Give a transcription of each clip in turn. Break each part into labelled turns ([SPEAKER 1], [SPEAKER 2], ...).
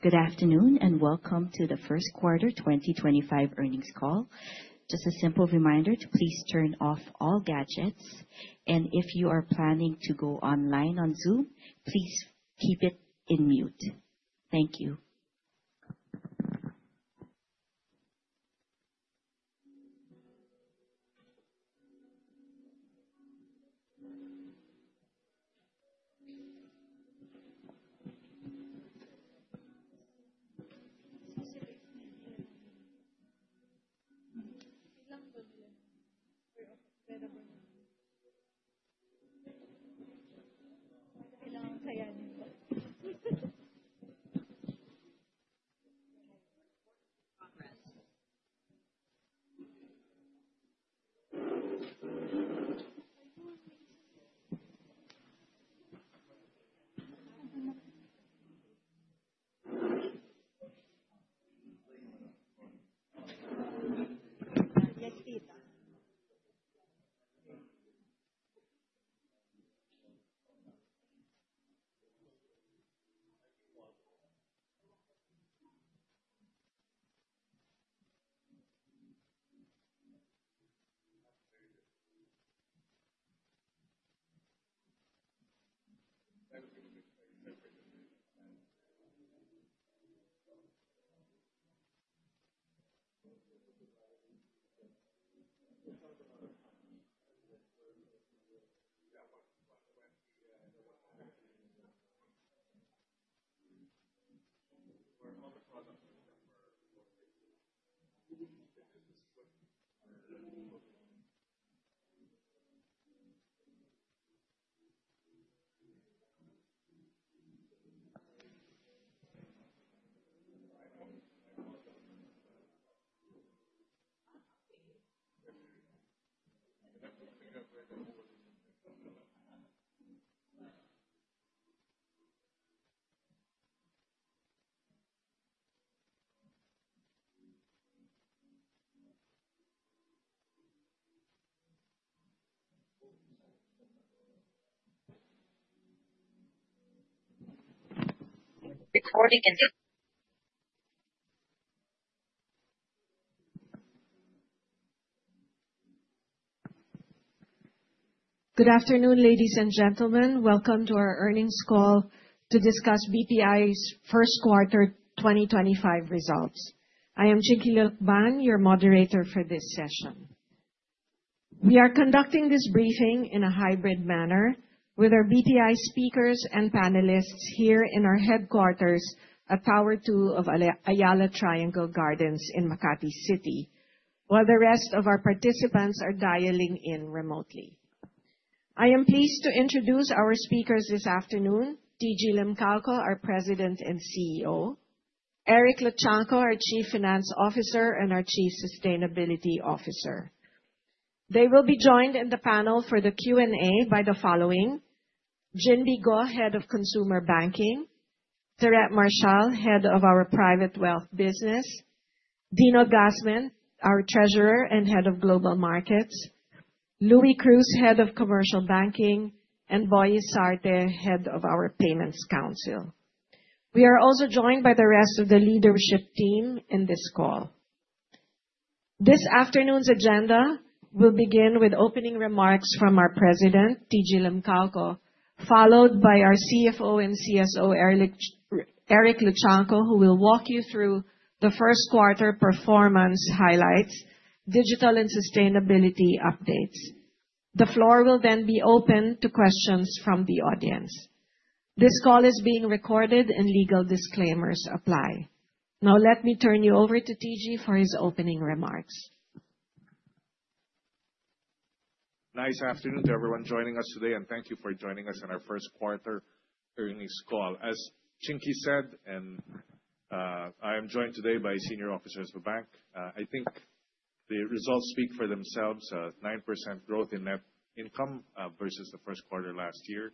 [SPEAKER 1] Good afternoon, and welcome to the Q1 2025 earnings call. Just a simple reminder to please turn off all gadgets, and if you are planning to go online on Zoom, please keep it on mute. Thank you.
[SPEAKER 2] Good afternoon, ladies and gentlemen. Welcome to our earnings call to discuss BPI's Q1 2025 results. I am Chinky Lukban, your moderator for this session. We are conducting this briefing in a hybrid manner with our BPI speakers and panelists here in our headquarters at Tower Two of Ayala Triangle Gardens in Makati City, while the rest of our participants are dialing in remotely. I am pleased to introduce our speakers this afternoon. TG Limcaoco, our President and CEO. Eric Luchangco, our Chief Finance Officer and our Chief Sustainability Officer. They will be joined in the panel for the Q&A by the following, Maria Cristina Go, Head of Consumer Banking, Maria Theresa D. Marcial, Head of our Private Wealth Business, Dino R. Gasmen, our Treasurer and Head of Global Markets, Luis Geminiano E. Cruz, Head of Commercial Banking, and Boy Isarte, Head of our Payments Council. We are also joined by the rest of the leadership team in this call. This afternoon's agenda will begin with opening remarks from our President, Jose Teodoro Limcaoco, followed by our CFO and CSO, Eric Roberto M. Luchangco, who will walk you through the Q1 performance highlights, digital and sustainability updates. The floor will then be open to questions from the audience. This call is being recorded, and legal disclaimers apply. Now, let me turn you over to Jose Teodoro Limcaoco for his opening remarks.
[SPEAKER 3] Good afternoon to everyone joining us today, and thank you for joining us on our Q1 earnings call. As Chinky said, I am joined today by senior officers of the bank. I think the results speak for themselves, 9% growth in net income versus the Q1 last year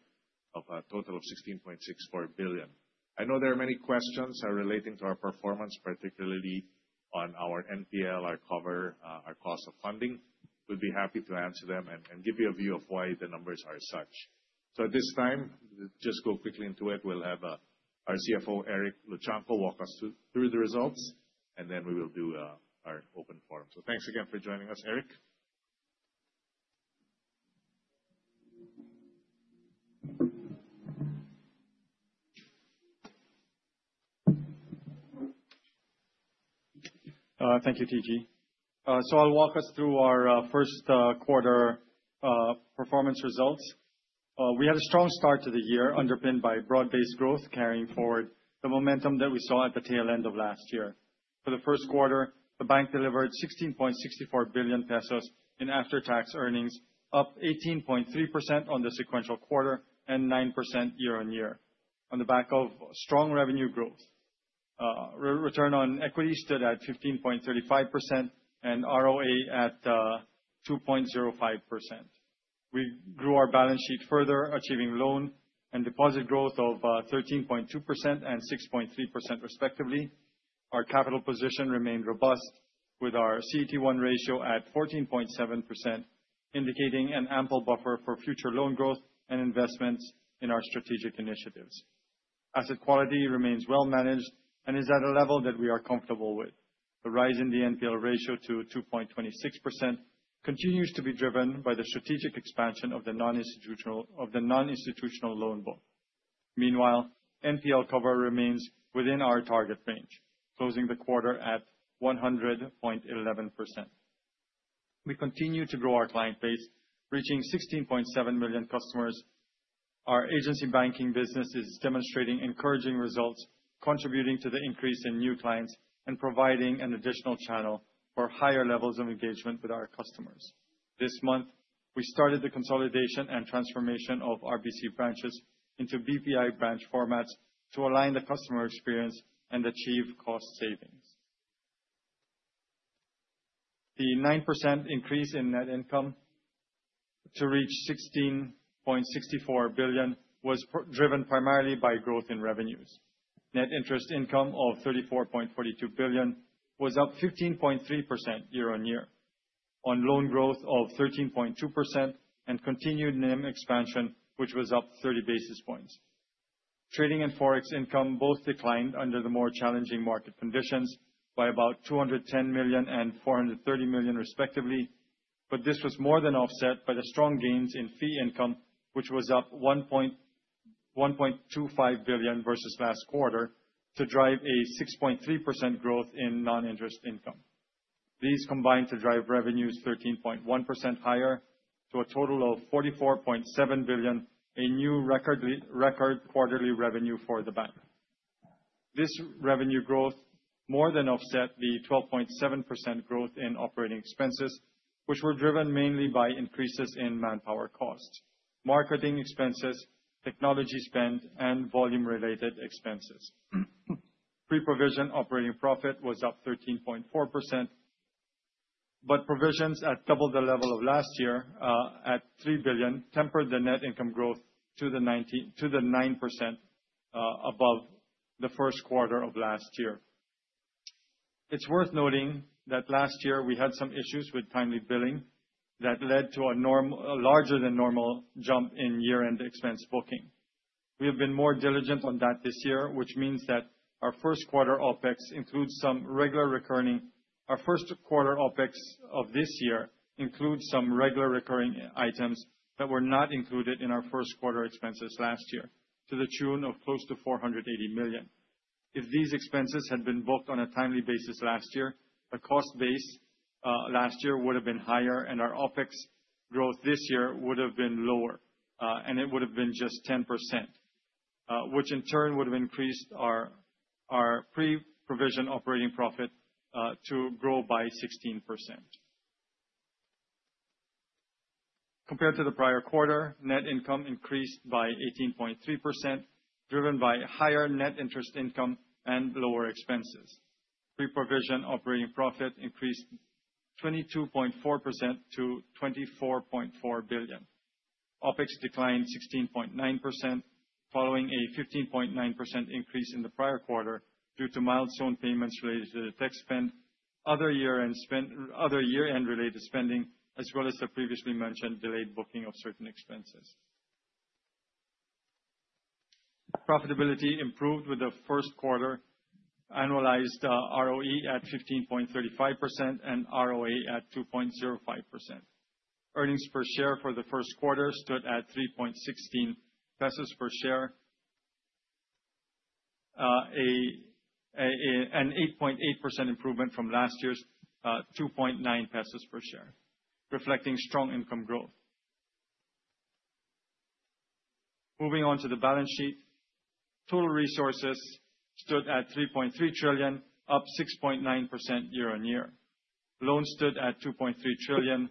[SPEAKER 3] of a total of 16.64 billion. I know there are many questions relating to our performance, particularly on our NPL, our coverage, our cost of funding. We'd be happy to answer them and give you a view of why the numbers are as such. At this time, just go quickly into it. We'll have our CFO, Eric Luchangco, walk us through the results, and then we will do our open forum. Thanks again for joining us. Eric?
[SPEAKER 4] Thank you, TG. I'll walk us through our Q1 performance results. We had a strong start to the year underpinned by broad-based growth, carrying forward the momentum that we saw at the tail end of last year. For the Q1, the bank delivered 16.64 billion pesos in after-tax earnings, up 18.3% on the sequential quarter and 9% year-on-year on the back of strong revenue growth. Return on equity stood at 15.35% and ROA at 2.05%. We grew our balance sheet further, achieving loan and deposit growth of 13.2% and 6.3% respectively. Our capital position remained robust with our CET1 ratio at 14.7%, indicating an ample buffer for future loan growth and investments in our strategic initiatives. Asset quality remains well managed and is at a level that we are comfortable with. The rise in the NPL ratio to 2.26% continues to be driven by the strategic expansion of the non-institutional loan book. Meanwhile, NPL cover remains within our target range, closing the quarter at 100.11%. We continue to grow our client base, reaching 16.7 million customers. Our agency banking business is demonstrating encouraging results, contributing to the increase in new clients and providing an additional channel for higher levels of engagement with our customers. This month, we started the consolidation and transformation of RBC branches into BPI branch formats to align the customer experience and achieve cost savings. The 9% increase in net income to reach 16.64 billion was driven primarily by growth in revenues. Net interest income of 34.42 billion was up 15.3% year-on-year on loan growth of 13.2% and continued NIM expansion, which was up 30 basis points. Trading and Forex income both declined under the more challenging market conditions by about 210 million and 430 million, respectively, but this was more than offset by the strong gains in fee income, which was up 1.125 billion versus last quarter to drive a 6.3% growth in non-interest income. These combined to drive revenues 13.1% higher to a total of 44.7 billion, a new record quarterly revenue for the bank. This revenue growth more than offset the 12.7% growth in operating expenses, which were driven mainly by increases in manpower costs, marketing expenses, technology spend, and volume-related expenses. Pre-provision operating profit was up 13.4%, but provisions at double the level of last year, at 3 billion tempered the net income growth to the 9%, above the Q1 of last year. It's worth noting that last year we had some issues with timely billing that led to a larger than normal jump in year-end expense booking. We have been more diligent on that this year, which means that our Q1 OpEx includes some regular recurring. Our Q1 OpEx of this year includes some regular recurring items that were not included in our Q1 expenses last year, to the tune of close to 480 million. If these expenses had been booked on a timely basis last year, the cost base last year would have been higher and our OpEx growth this year would have been lower, and it would have been just 10%, which in turn would have increased our pre-provision operating profit to grow by 16%. Compared to the prior quarter, net income increased by 18.3%, driven by higher net interest income and lower expenses. Pre-provision operating profit increased 22.4% to 24.4 billion. OpEx declined 16.9% following a 15.9% increase in the prior quarter due to milestone payments related to the tech spend, other year-end related spending, as well as the previously mentioned delayed booking of certain expenses. Profitability improved with the Q1 annualized ROE at 15.35% and ROA at 2.05%. Earnings per share for the Q1 stood at 3.16 pesos per share, an 8.8% improvement from last year's 2.9 pesos per share, reflecting strong income growth. Moving on to the balance sheet. Total resources stood at 3.3 trillion, up 6.9% year-on-year. Loans stood at 2.3 trillion,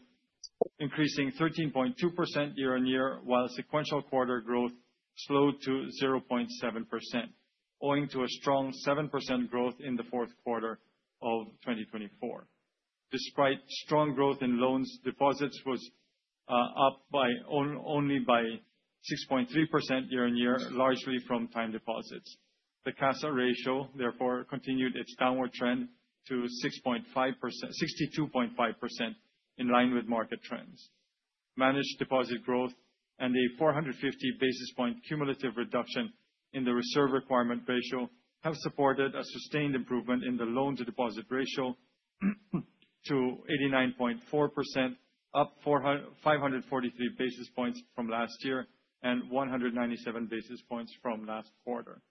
[SPEAKER 4] increasing 13.2% year-on-year, while sequential quarter growth slowed to 0.7%, owing to a strong 7% growth in the Q4 of 2024. Despite strong growth in loans, deposits was up by only 6.3% year-on-year, largely from time deposits. The CASA ratio, therefore, continued its downward trend to 62.5% in line with market trends. Managed deposit growth and a 450 basis point cumulative reduction in the reserve requirement ratio have supported a sustained improvement in the loan-to-deposit ratio to 89.4%, up 543 basis points from last year and 197 basis points from last quarter.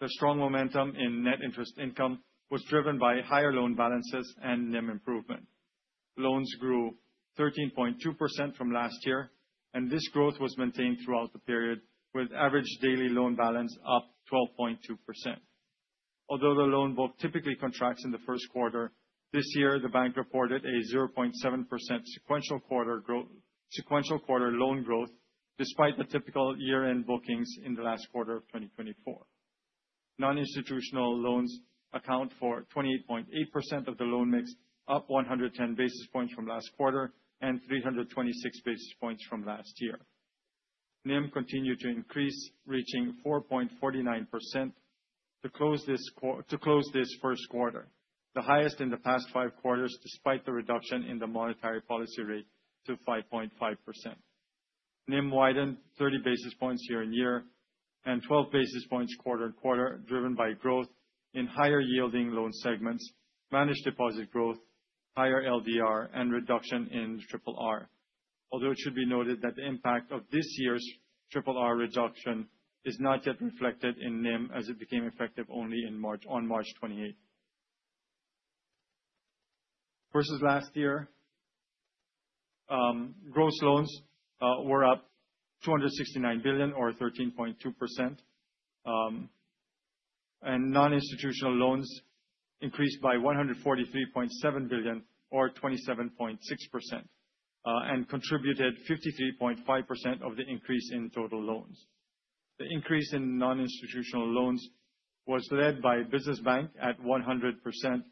[SPEAKER 4] The strong momentum in net interest income was driven by higher loan balances and NIM improvement. Loans grew 13.2% from last year, and this growth was maintained throughout the period, with average daily loan balance up 12.2%. Although the loan book typically contracts in the Q1, this year the bank reported a 0.7% sequential quarter loan growth despite the typical year-end bookings in the last quarter of 2024. Non-institutional loans account for 28.8% of the loan mix, up 110 basis points from last quarter and 326 basis points from last year. NIM continued to increase, reaching 4.49% to close this Q1. The highest in the past five quarters, despite the reduction in the monetary policy rate to 5.5%. NIM widened 30 basis points year-on-year and 12 basis points quarter-on-quarter, driven by growth in higher yielding loan segments, managed deposit growth, higher LDR and reduction in triple R. Although it should be noted that the impact of this year's triple R reduction is not yet reflected in NIM as it became effective only in March, on March 28th. Versus last year, gross loans were up 269 billion or 13.2%. Non-institutional loans increased by 143.7 billion or 27.6%, and contributed 53.5% of the increase in total loans. The increase in non-institutional loans was led by business bank at 100%,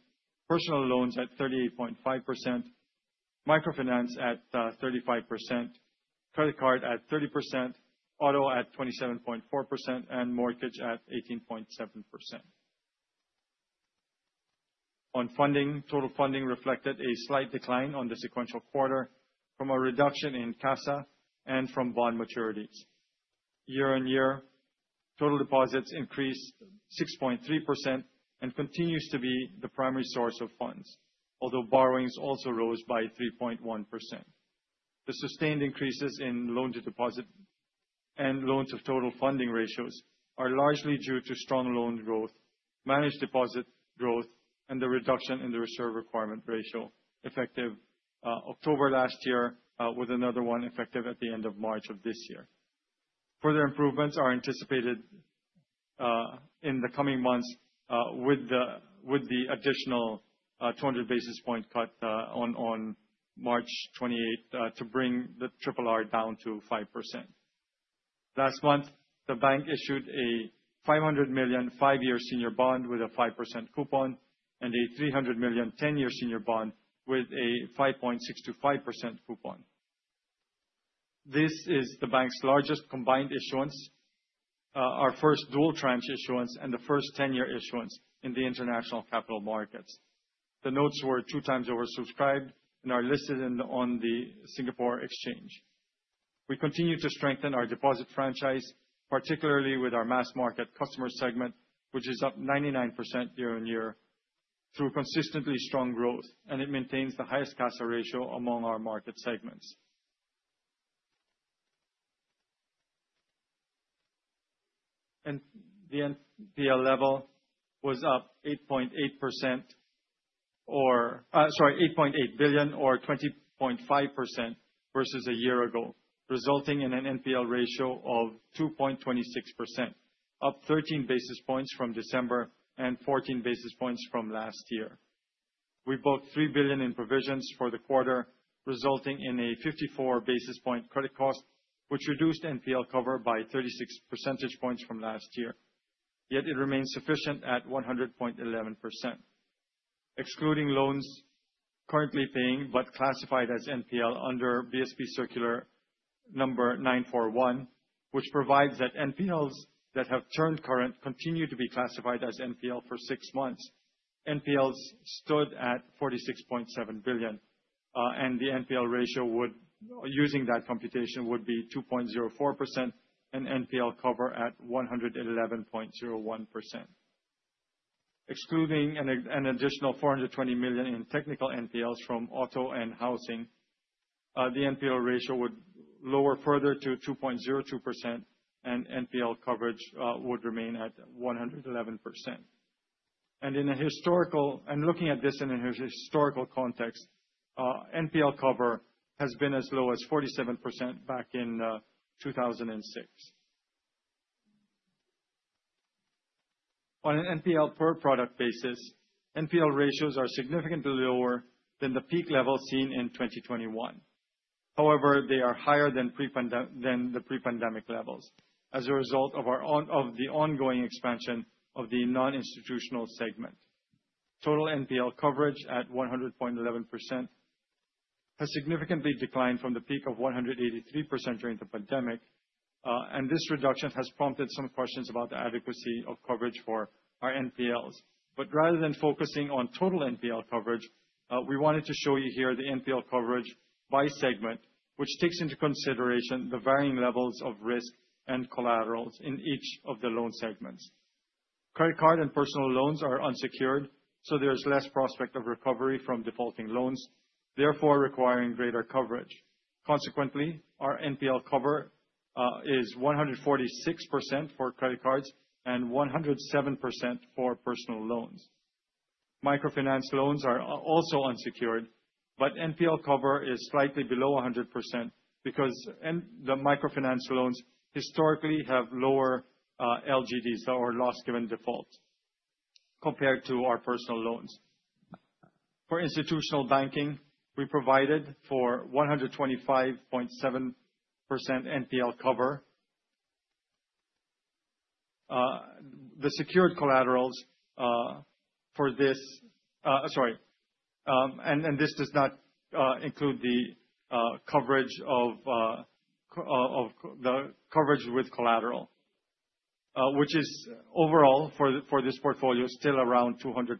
[SPEAKER 4] personal loans at 38.5%, microfinance at 35%, credit card at 30%, auto at 27.4%, and mortgage at 18.7%. On funding, total funding reflected a slight decline on the sequential quarter from a reduction in CASA and from bond maturities. Year-on-year, total deposits increased 6.3% and continues to be the primary source of funds, although borrowings also rose by 3.1%. The sustained increases in loan to deposit and loans of total funding ratios are largely due to strong loan growth, managed deposit growth, and the reduction in the reserve requirement ratio effective October last year, with another one effective at the end of March of this year. Further improvements are anticipated in the coming months with the additional 200 basis point cut on March 28th to bring the triple R down to 5%. Last month, the bank issued a $500 million 5-year senior bond with a 5% coupon and a $300 million 10-year senior bond with a 5.625% coupon. This is the bank's largest combined issuance, our first dual tranche issuance, and the first 10-year issuance in the international capital markets. The notes were 2 times oversubscribed and are listed on the Singapore Exchange. We continue to strengthen our deposit franchise, particularly with our mass market customer segment, which is up 99% year-on-year through consistently strong growth, and it maintains the highest CASA ratio among our market segments. The NPL level was up 8.8 billion or 20.5% versus a year ago, resulting in an NPL ratio of 2.26%, up 13 basis points from December and 14 basis points from last year. We booked 3 billion in provisions for the quarter, resulting in a 54 basis point credit cost, which reduced NPL cover by 36 percentage points from last year, yet it remains sufficient at 100.11%. Excluding loans currently paying but classified as NPL under BSP Circular No. 941, which provides that NPLs that have turned current continue to be classified as NPL for six months, NPLs stood at 46.7 billion. The NPL ratio would, using that computation, be 2.04% and NPL cover at 111.01%. Excluding an additional 420 million in technical NPLs from auto and housing, the NPL ratio would lower further to 2.02% and NPL coverage would remain at 111%. Looking at this in a historical context, NPL cover has been as low as 47% back in 2006. On an NPL per product basis, NPL ratios are significantly lower than the peak level seen in 2021. However, they are higher than the pre-pandemic levels as a result of the ongoing expansion of the non-institutional segment. Total NPL coverage at 100.11% has significantly declined from the peak of 183% during the pandemic. This reduction has prompted some questions about the adequacy of coverage for our NPLs. Rather than focusing on total NPL coverage, we wanted to show you here the NPL coverage by segment, which takes into consideration the varying levels of risk and collaterals in each of the loan segments. Credit card and personal loans are unsecured, so there's less prospect of recovery from defaulting loans, therefore requiring greater coverage. Consequently, our NPL cover is 146% for credit cards and 107% for personal loans. Microfinance loans are also unsecured, but NPL cover is slightly below 100% because the microfinance loans historically have lower LGDs or loss given default, compared to our personal loans. For institutional banking, we provided for 125.7% NPL cover. The secured collaterals for this do not include the coverage with collateral, which is overall for this portfolio still around 200%.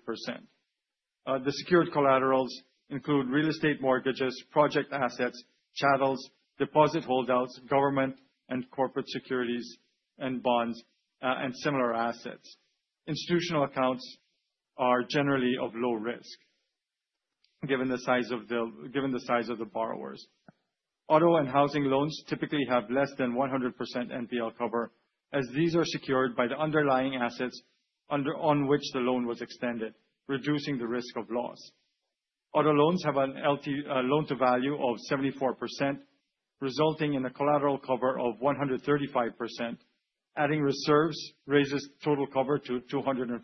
[SPEAKER 4] The secured collaterals include real estate mortgages, project assets, chattels, deposit holdouts, government and corporate securities and bonds, and similar assets. Institutional accounts are generally of low risk given the size of the borrowers. Auto and housing loans typically have less than 100% NPL cover, as these are secured by the underlying assets upon which the loan was extended, reducing the risk of loss. Auto loans have an LTV of 74%, resulting in a collateral cover of 135%. Adding reserves raises total cover to 204%.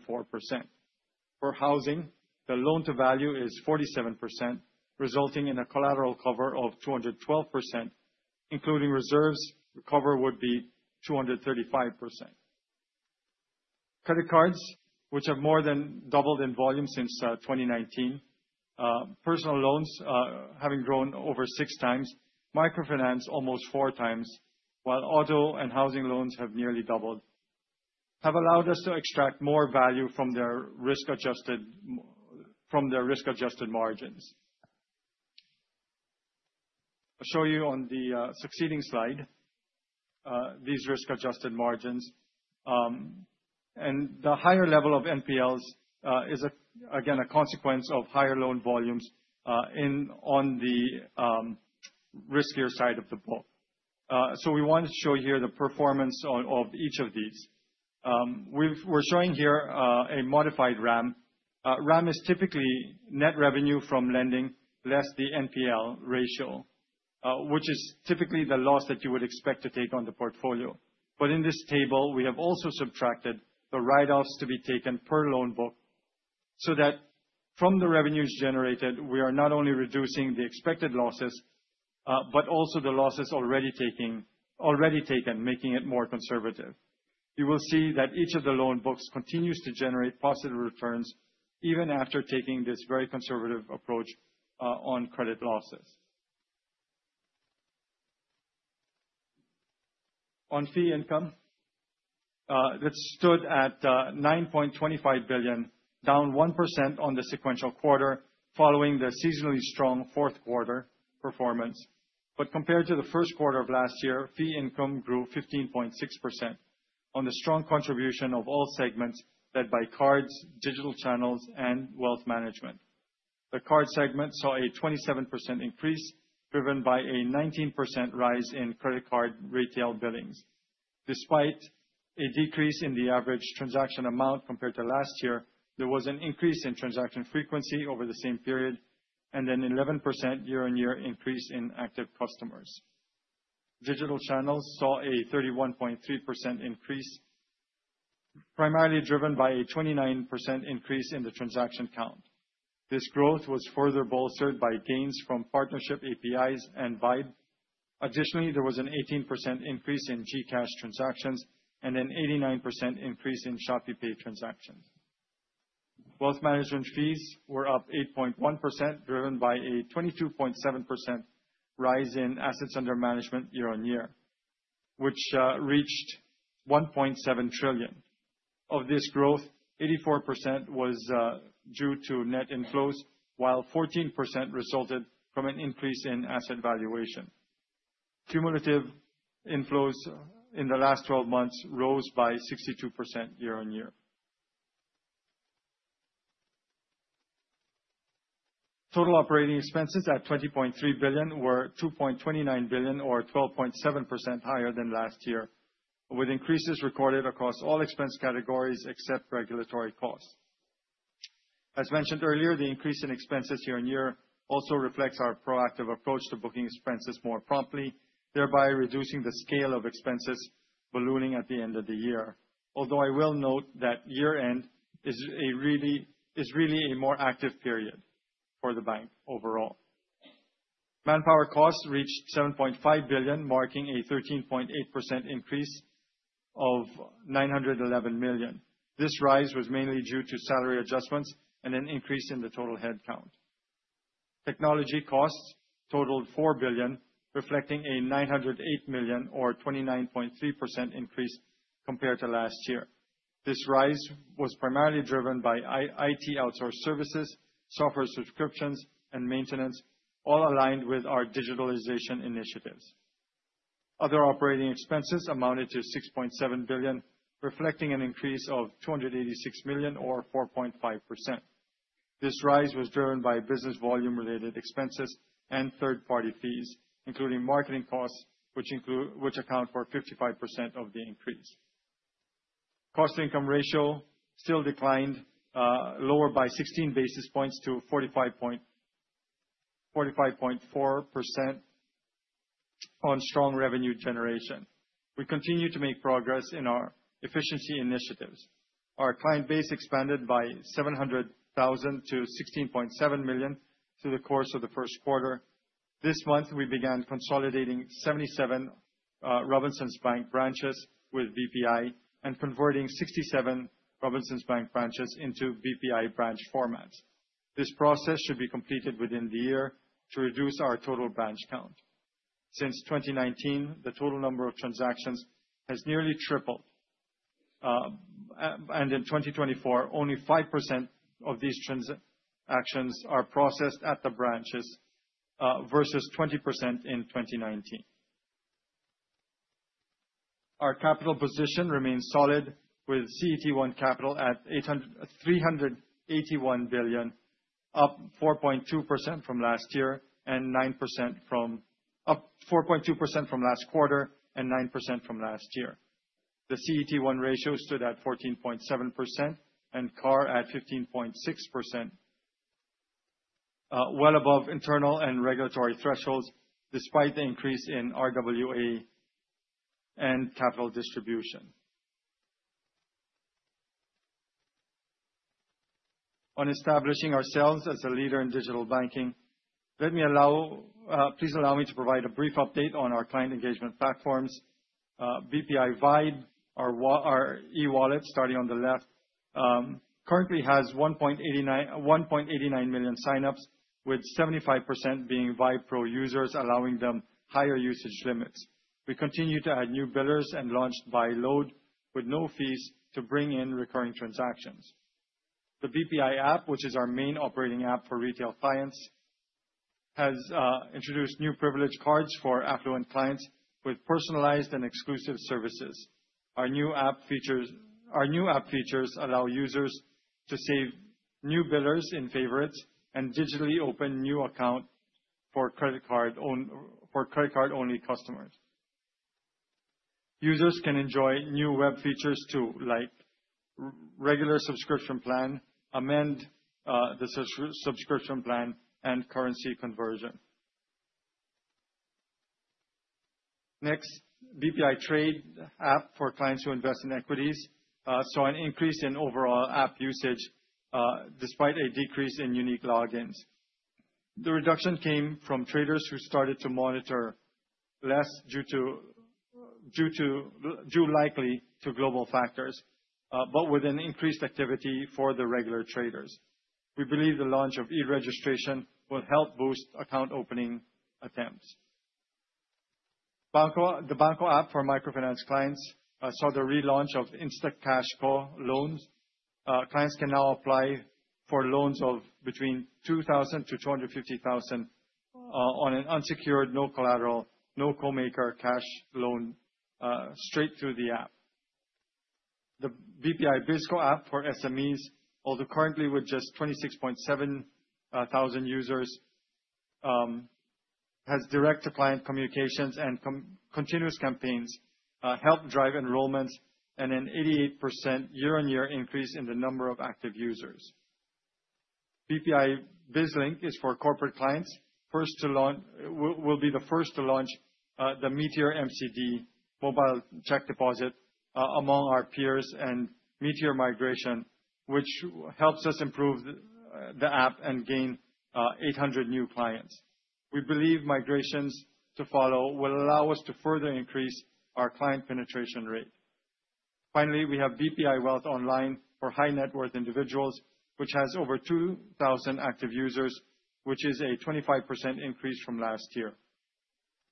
[SPEAKER 4] For housing, the loan-to-value is 47%, resulting in a collateral cover of 212%. Including reserves, the cover would be 235%. Credit cards, which have more than doubled in volume since 2019, personal loans having grown over 6 times, microfinance almost 4 times, while auto and housing loans have nearly doubled, have allowed us to extract more value from their risk-adjusted margins. I'll show you on the succeeding slide these risk-adjusted margins. The higher level of NPLs is again a consequence of higher loan volumes in on the riskier side of the book. We want to show here the performance of each of these. We're showing here a modified RAM. RAM is typically net revenue from lending less the NPL ratio, which is typically the loss that you would expect to take on the portfolio. But in this table, we have also subtracted the write-offs to be taken per loan book, so that from the revenues generated, we are not only reducing the expected losses, but also the losses already taken, making it more conservative. You will see that each of the loan books continues to generate positive returns even after taking this very conservative approach on credit losses. On fee income, that stood at 9.25 billion, down 1% on the sequential quarter following the seasonally strong Q4 performance. Compared to the Q1 of last year, fee income grew 15.6% on the strong contribution of all segments led by cards, digital channels, and wealth management. The card segment saw a 27% increase driven by a 19% rise in credit card retail billings. Despite a decrease in the average transaction amount compared to last year, there was an increase in transaction frequency over the same period, and an 11% year-on-year increase in active customers. Digital channels saw a 31.3% increase, primarily driven by a 29% increase in the transaction count. This growth was further bolstered by gains from partnership APIs and VYBE. Additionally, there was an 18% increase in GCash transactions and an 89% increase in ShopeePay transactions. Wealth management fees were up 8.1%, driven by a 22.7% rise in assets under management year-on-year, which reached 1.7 trillion. Of this growth, 84% was due to net inflows, while 14% resulted from an increase in asset valuation. Cumulative inflows in the last twelve months rose by 62% year-on-year. Total operating expenses at 20.3 billion were 2.29 billion or 12.7% higher than last year, with increases recorded across all expense categories except regulatory costs. As mentioned earlier, the increase in expenses year-over-year also reflects our proactive approach to booking expenses more promptly, thereby reducing the scale of expenses ballooning at the end of the year. Although I will note that year-end is really a more active period for the bank overall. Manpower costs reached 7.5 billion, marking a 13.8% increase of 911 million. This rise was mainly due to salary adjustments and an increase in the total head count. Technology costs totaled 4 billion, reflecting a 908 million or 29.3% increase compared to last year. This rise was primarily driven by IT outsourced services, software subscriptions, and maintenance, all aligned with our digitalization initiatives. Other operating expenses amounted to 6.7 billion, reflecting an increase of 286 million or 4.5%. This rise was driven by business volume related expenses and third-party fees, including marketing costs, which account for 55% of the increase. Cost income ratio still declined lower by 16 basis points to 45.4% on strong revenue generation. We continue to make progress in our efficiency initiatives. Our client base expanded by 700,000 to 16.7 million through the course of the Q1. This month, we began consolidating 77 Robinsons Bank branches with BPI and converting 67 Robinsons Bank branches into BPI branch formats. This process should be completed within the year to reduce our total branch count. Since 2019, the total number of transactions has nearly tripled. In 2024, only 5% of these transactions are processed at the branches, versus 20% in 2019. Our capital position remains solid, with CET1 capital at 381 billion, up 4.2% from last quarter and 9% from last year. The CET1 ratio stood at 14.7% and CAR at 15.6%, well above internal and regulatory thresholds, despite the increase in RWA and capital distribution. On establishing ourselves as a leader in digital banking, please allow me to provide a brief update on our client engagement platforms. BPI VYBE, our e-wallet, starting on the left, currently has 1.89 million sign-ups, with 75% being VYBE Pro users, allowing them higher usage limits. We continue to add new billers and launched Buy Load with no fees to bring in recurring transactions. The BPI app, which is our main operating app for retail clients, has introduced new privilege cards for affluent clients with personalized and exclusive services. Our new app features allow users to save new billers in favorites and digitally open new account for credit card-only customers. Users can enjoy new web features too, like regular subscription plan, amend the subscription plan, and currency conversion. Next, BPI Trade app for clients who invest in equities saw an increase in overall app usage despite a decrease in unique log-ins. The reduction came from traders who started to monitor less due to likely global factors, but with an increased activity for the regular traders. We believe the launch of e-registration will help boost account opening attempts. BanKo app for microfinance clients saw the relaunch of the InstaCashKo Loans. Clients can now apply for loans of between 2,000-250,000 on an unsecured, no collateral, no co-maker cash loan straight through the app. The BPI BizKo app for SMEs, although currently with just 26.7 thousand users, has direct-to-client communications and continuous campaigns help drive enrollments and an 88% year-on-year increase in the number of active users. BPI BizLink is for corporate clients, will be the first to launch the Mobile Check Deposit among our peers and mobile migration, which helps us improve the app and gain 800 new clients. We believe migrations to follow will allow us to further increase our client penetration rate. Finally, we have BPI Wealth Online for high-net-worth individuals, which has over 2,000 active users, which is a 25% increase from last year.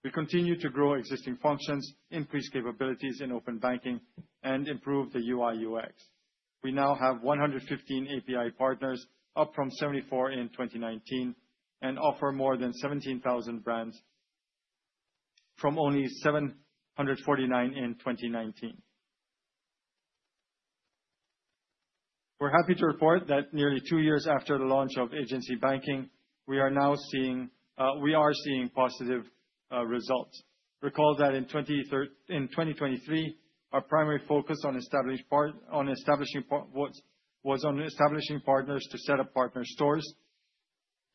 [SPEAKER 4] We continue to grow existing functions, increase capabilities in open banking, and improve the UI/UX. We now have 115 API partners, up from 74 in 2019, and offer more than 17,000 brands from only 749 in 2019. We're happy to report that nearly two years after the launch of agency banking, we are now seeing positive results. Recall that in 2023, our primary focus was on establishing partners to set up partner stores.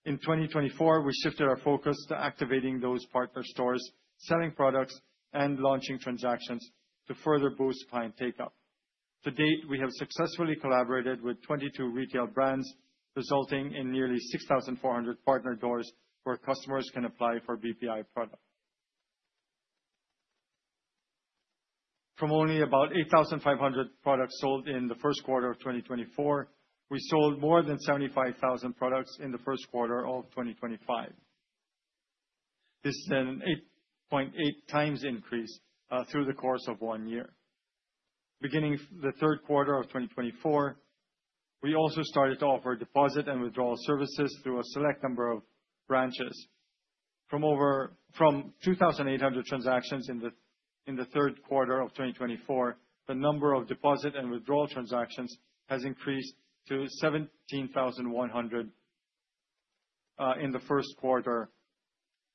[SPEAKER 4] In 2024, we shifted our focus to activating those partner stores, selling products, and launching transactions to further boost client take-up. To date, we have successfully collaborated with 22 retail brands, resulting in nearly 6,400 partner doors where customers can apply for BPI products. From only about 8,500 products sold in the Q1 of 2024, we sold more than 75,000 products in the Q1 of 2025. This is an 8.8 times increase through the course of one year. Beginning the Q3 of 2024, we also started to offer deposit and withdrawal services through a select number of branches. From 2,800 transactions in the Q3 of 2024, the number of deposit and withdrawal transactions has increased to 17,100 in the Q1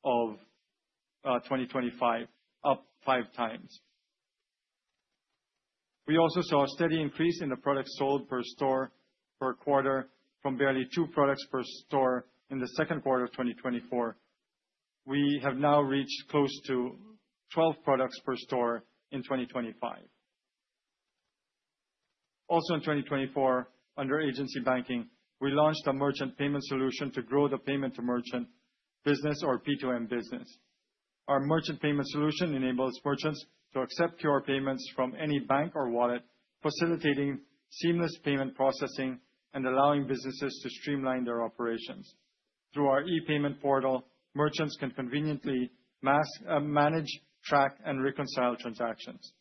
[SPEAKER 4] of 2025, up five times. We also saw a steady increase in the products sold per store per quarter. From barely two products per store in the Q2 of 2024, we have now reached close to 12 products per store in 2025. Also in 2024, under agency banking, we launched a merchant payment solution to grow the payment to merchant business or P2M business. Our merchant payment solution enables merchants to accept QR payments from any bank or wallet, facilitating seamless payment processing and allowing businesses to streamline their operations. Through our e-payment portal, merchants can conveniently manage, track, and reconcile transactions.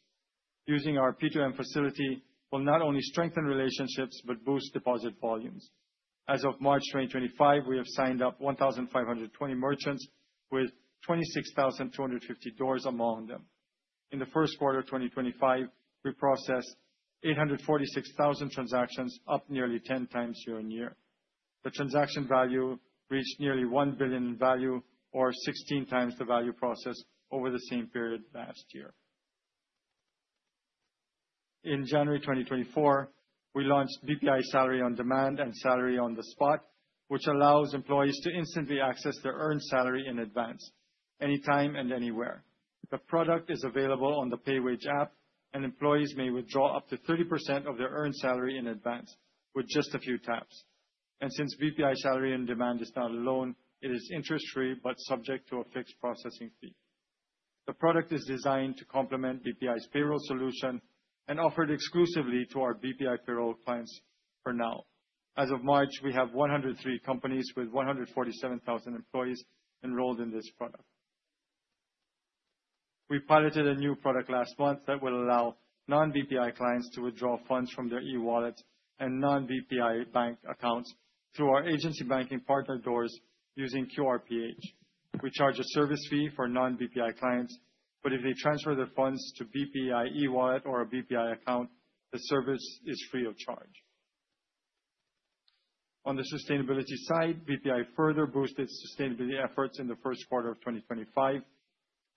[SPEAKER 4] Using our P2M facility will not only strengthen relationships but boost deposit volumes. As of March 2025, we have signed up 1,520 merchants with 26,250 doors among them. In the Q1 of 2025, we processed 846,000 transactions, up nearly 10 times year-on-year. The transaction value reached nearly 1 billion in value, or 16 times the value processed over the same period last year. In January 2024, we launched BPI Salary On-Demand and Sweldo On the Spot, which allows employees to instantly access their earned salary in advance anytime and anywhere. The product is available on the PayWage app, and employees may withdraw up to 30% of their earned salary in advance with just a few taps. Since BPI Salary On-Demand is not a loan, it is interest-free but subject to a fixed processing fee. The product is designed to complement BPI's payroll solution and offered exclusively to our BPI payroll clients for now. As of March, we have 103 companies with 147,000 employees enrolled in this product. We piloted a new product last month that will allow non-BPI clients to withdraw funds from their e-wallets and non-BPI bank accounts through our agency banking partner doors using QRPH. We charge a service fee for non-BPI clients, but if they transfer the funds to BPI e-wallet or a BPI account, the service is free of charge. On the sustainability side, BPI further boosted sustainability efforts in the Q1 of 2025.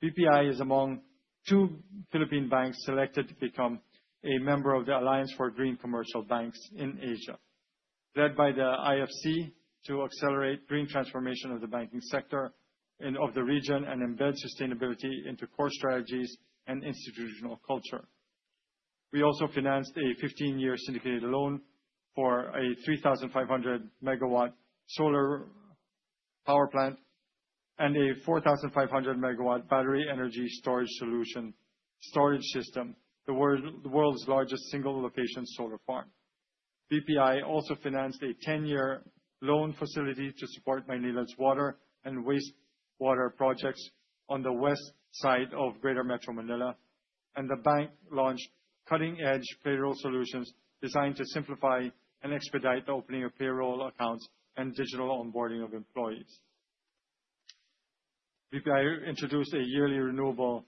[SPEAKER 4] BPI is among two Philippine banks selected to become a member of the Alliance for Green Commercial Banks in Asia, led by the IFC to accelerate green transformation of the banking sector and of the region and embed sustainability into core strategies and institutional culture. We also financed a 15-year syndicated loan for a 3,500-megawatt solar power plant and a 4,500-megawatt battery energy storage solution storage system, the world's largest single location solar farm. BPI also financed a 10-year loan facility to support Manila's water and wastewater projects on the west side of Greater Metro Manila. The bank launched cutting-edge payroll solutions designed to simplify and expedite the opening of payroll accounts and digital onboarding of employees. BPI introduced a yearly renewable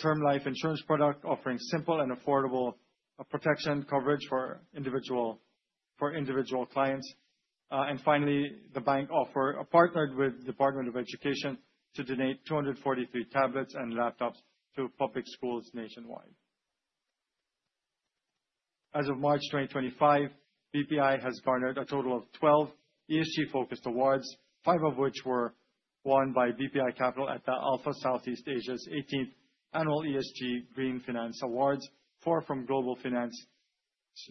[SPEAKER 4] term life insurance product offering simple and affordable protection coverage for individual clients. Finally, the bank partnered with Department of Education to donate 243 tablets and laptops to public schools nationwide. As of March 2025, BPI has garnered a total of 12 ESG-focused awards, five of which were won by BPI Capital at the Alpha Southeast Asia's 18th Annual ESG Green Finance Awards, four from Global Finance's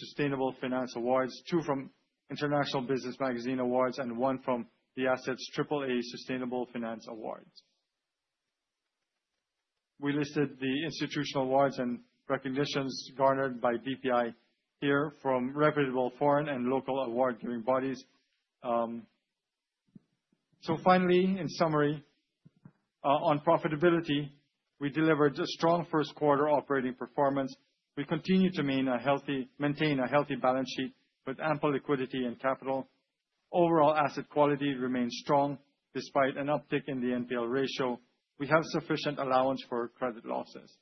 [SPEAKER 4] Sustainable Finance Awards, two from International Business Magazine Awards, and one from The Asset's Triple A Sustainable Finance Awards. We listed the institutional awards and recognitions garnered by BPI here from reputable foreign and local award-giving bodies. Finally, in summary, on profitability, we delivered a strong Q1 operating performance. We continue to maintain a healthy balance sheet with ample liquidity and capital. Overall asset quality remains strong despite an uptick in the NPL ratio. We have sufficient allowance for credit losses.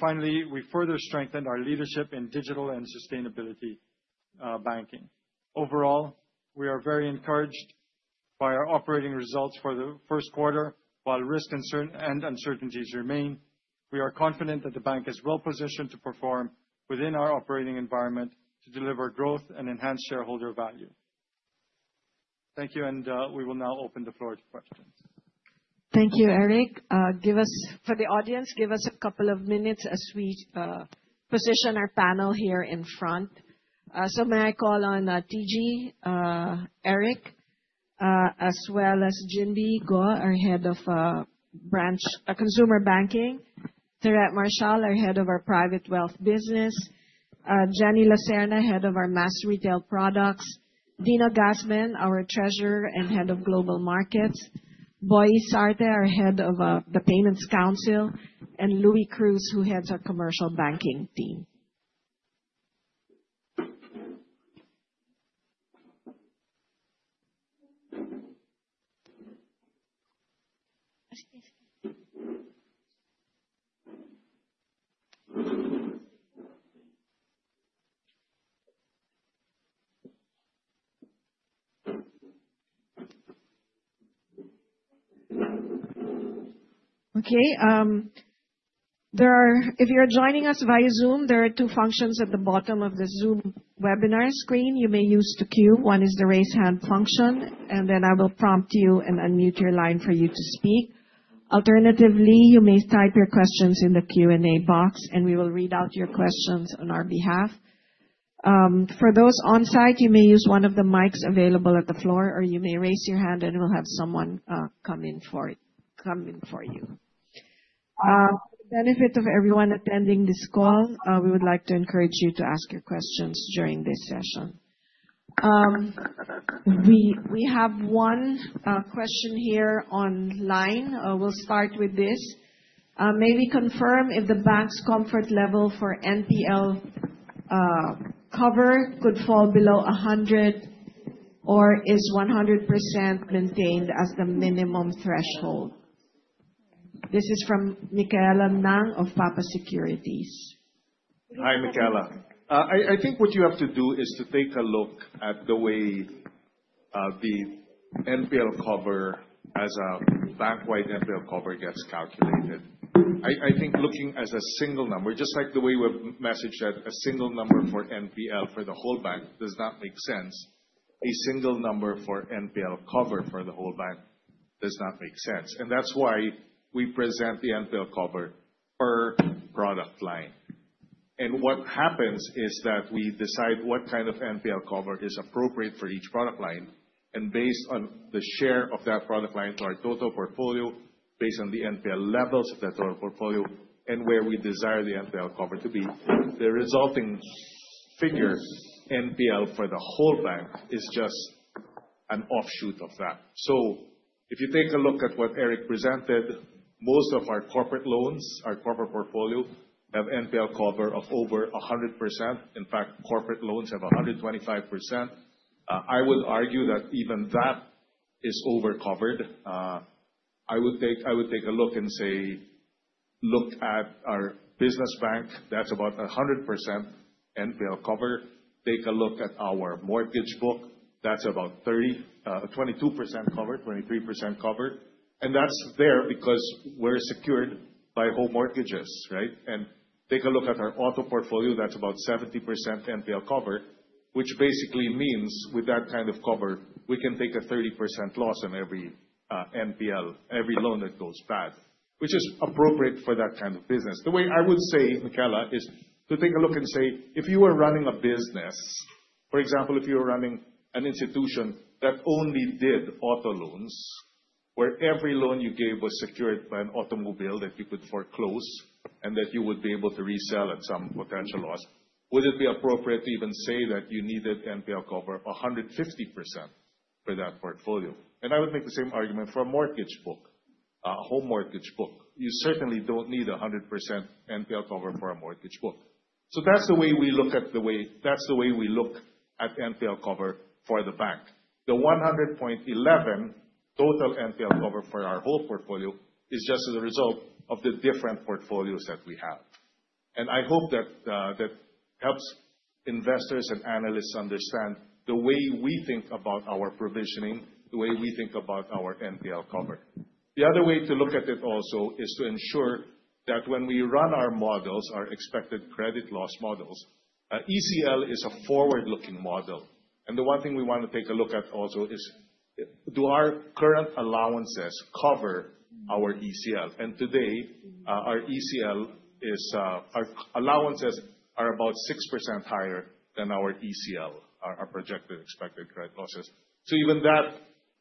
[SPEAKER 4] Finally, we further strengthened our leadership in digital and sustainable banking. Overall, we are very encouraged by our operating results for the Q1. While risk concerns and uncertainties remain, we are confident that the bank is well-positioned to perform within our operating environment to deliver growth and enhance shareholder value. Thank you, and we will now open the floor to questions.
[SPEAKER 2] Thank you, Eric. For the audience, give us a couple of minutes as we position our panel here in front. May I call on TG, Eric Luchangco, as well as Ginbee Go, our Head of Consumer Banking. Tere Marcial, our Head of Private Wealth Business. Jenny Lacerna, Head of Mass Retail Products. Dino Gasmen, our Treasurer and Head of Global Markets. Boy Isarte, our Head of Payments Council, and Louie Cruz, who heads our commercial banking team. Okay. If you are joining us via Zoom, there are two functions at the bottom of the Zoom webinar screen you may use to queue. One is the raise hand function, and then I will prompt you and unmute your line for you to speak. Alternatively, you may type your questions in the Q&A box, and we will read out your questions on our behalf. For those on-site, you may use one of the mics available at the floor, or you may raise your hand and we'll have someone come to you. For the benefit of everyone attending this call, we would like to encourage you to ask your questions during this session. We have one question here online. We'll start with this. May we confirm if the bank's comfort level for NPL cover could fall below 100 or is 100% maintained as the minimum threshold? This is from Michaela Ng of Papa Securities.
[SPEAKER 3] Hi, Michaela Ng. I think what you have to do is to take a look at the way, the NPL cover as a bank-wide NPL cover gets calculated. I think looking at a single number, just like the way we've messaged that a single number for NPL for the whole bank does not make sense, a single number for NPL cover for the whole bank does not make sense. That's why we present the NPL cover per product line. What happens is that we decide what kind of NPL cover is appropriate for each product line, and based on the share of that product line to our total portfolio, based on the NPL levels of that total portfolio, and where we desire the NPL cover to be, the resulting figure for NPL for the whole bank is just an offshoot of that. If you take a look at what Eric presented, most of our corporate loans, our corporate portfolio, have NPL cover of over 100%. In fact, corporate loans have 125%. I would argue that even that is over-covered. I would take a look and say, look at our business bank, that's about 100% NPL cover. Take a look at our mortgage book, that's about 22%, 23% covered. That's there because we're secured by home mortgages, right? Take a look at our auto portfolio, that's about 70% NPL cover, which basically means with that kind of cover, we can take a 30% loss on every NPL, every loan that goes bad, which is appropriate for that kind of business. The way I would say, Michaela, is to take a look and say, if you were running a business, for example, if you were running an institution that only did auto loans, where every loan you gave was secured by an automobile that you could foreclose and that you would be able to resell at some potential loss, would it be appropriate to even say that you needed NPL cover 150% for that portfolio? I would make the same argument for a mortgage book, a home mortgage book. You certainly don't need 100% NPL cover for a mortgage book. That's the way we look at NPL cover for the bank. The 100.11% total NPL cover for our whole portfolio is just as a result of the different portfolios that we have. I hope that helps investors and analysts understand the way we think about our provisioning, the way we think about our NPL cover. The other way to look at it also is to ensure that when we run our models, our expected credit loss models, ECL is a forward-looking model. The one thing we wanna take a look at also is do our current allowances cover our ECL? Today, our allowances are about 6% higher than our ECL, our projected expected credit losses. Even that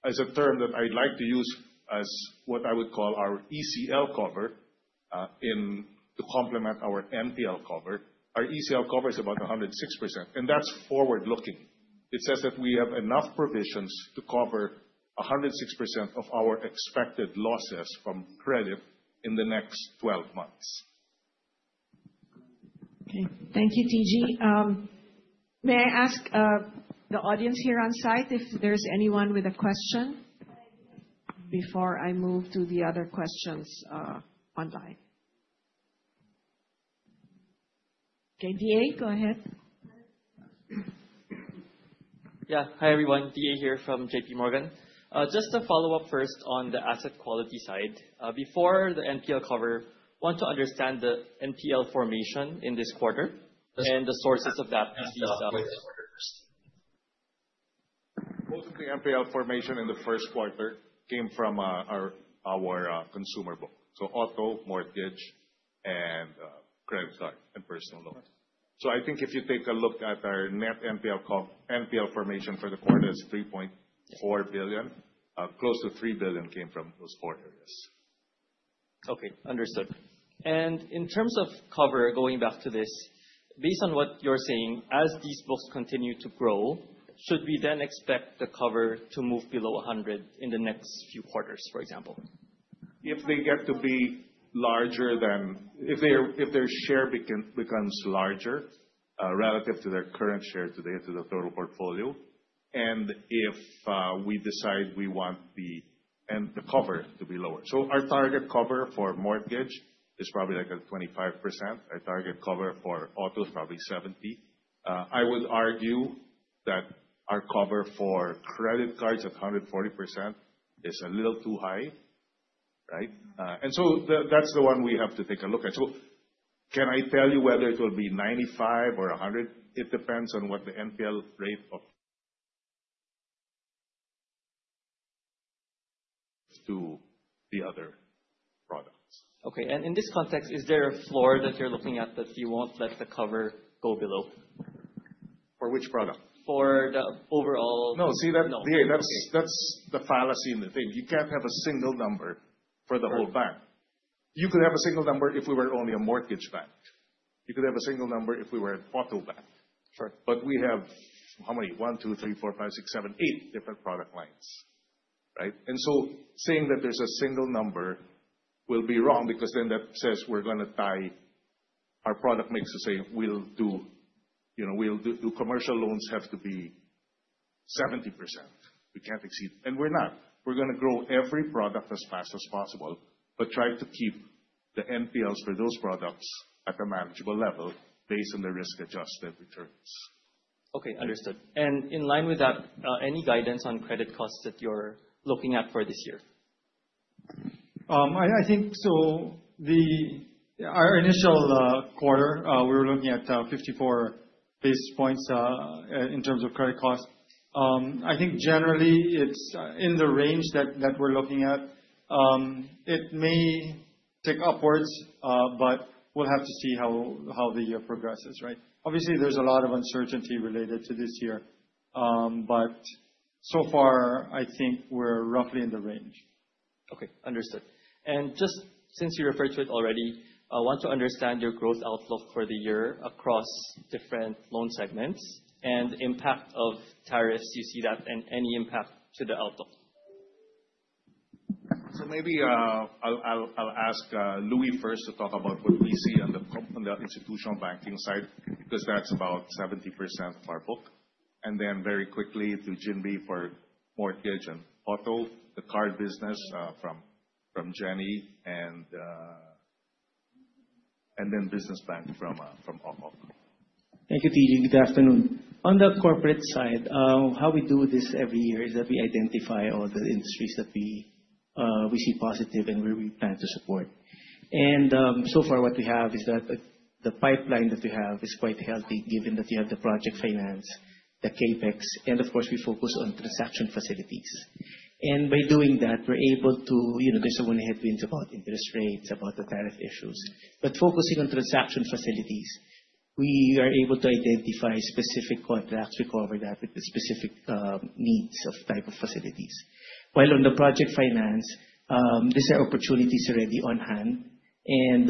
[SPEAKER 3] as a term that I'd like to use as what I would call our ECL cover, intended to complement our NPL cover, our ECL cover is about 106%, and that's forward-looking. It says that we have enough provisions to cover 106% of our expected losses from credit in the next 12 months.
[SPEAKER 2] Okay. Thank you, TG. May I ask the audience here on-site if there's anyone with a question before I move to the other questions online? Okay, DA, go ahead.
[SPEAKER 5] Yeah. Hi, everyone. DA here from J.P. Morgan. Just to follow up first on the asset quality side. Before the NPL cover, want to understand the NPL formation in this quarter and the sources of that ECL.
[SPEAKER 3] Most of the NPL formation in the Q1 came from our consumer book. Auto, mortgage, and credit card and personal loans. I think if you take a look at our net NPL formation for the quarter is 3.4 billion, close to 3 billion came from those four areas.
[SPEAKER 5] Okay, understood. In terms of cover, going back to this, based on what you're saying, as these books continue to grow, should we then expect the cover to move below 100 in the next few quarters, for example?
[SPEAKER 3] If their share becomes larger relative to their current share today to the total portfolio, and if we decide we want the cover to be lower. Our target cover for mortgage is probably like at 25%. Our target cover for auto is probably 70%. I would argue that our cover for credit cards at 140% is a little too high, right? That's the one we have to take a look at. Can I tell you whether it will be 95% or 100%? It depends on what the NPL rate of the other products.
[SPEAKER 5] Okay. In this context, is there a floor that you're looking at that you won't let the cover go below?
[SPEAKER 3] For which product?
[SPEAKER 5] For the overall.
[SPEAKER 3] No. See, that.
[SPEAKER 5] No, okay.
[SPEAKER 3] That's the fallacy in the thing. You can't have a single number for the whole bank. You could have a single number if we were only a mortgage bank. You could have a single number if we were an auto bank.
[SPEAKER 5] Sure.
[SPEAKER 3] We have how many? 1, 2, 3, 4, 5, 6, 7, 8 different product lines, right? Saying that there's a single number will be wrong because then that says we're gonna tie our product mix to say we'll do, you know, we'll do commercial loans have to be 70%. We can't exceed. We're not. We're gonna grow every product as fast as possible, but try to keep the NPLs for those products at a manageable level based on the risk-adjusted returns.
[SPEAKER 5] Okay, understood. In line with that, any guidance on credit costs that you're looking at for this year?
[SPEAKER 3] I think our initial quarter we're looking at 54 basis points in terms of credit costs. I think generally it's in the range that we're looking at. It may tick upwards, but we'll have to see how the year progresses, right? Obviously, there's a lot of uncertainty related to this year. So far, I think we're roughly in the range.
[SPEAKER 5] Okay, understood. Just since you referred to it already, I want to understand your growth outlook for the year across different loan segments and impact of tariffs you see that and any impact to the outlook.
[SPEAKER 3] Maybe I'll ask Louie first to talk about what we see on the institutional banking side, because that's about 70% of our book. Then very quickly to Jimbi for mortgage and auto, the card business, from Jenny and then business banking from Okhok.
[SPEAKER 6] Thank you, TG. Good afternoon. On the corporate side, how we do this every year is that we identify all the industries that we see positive and where we plan to support. So far what we have is that the pipeline that we have is quite healthy given that we have the project finance, the CapEx, and of course we focus on transaction facilities. By doing that, we're able to, there's some headwinds about interest rates, about the tariff issues. Focusing on transaction facilities, we are able to identify specific contracts, cover that with the specific needs of type of facilities. While on the project finance, there's opportunities already on hand and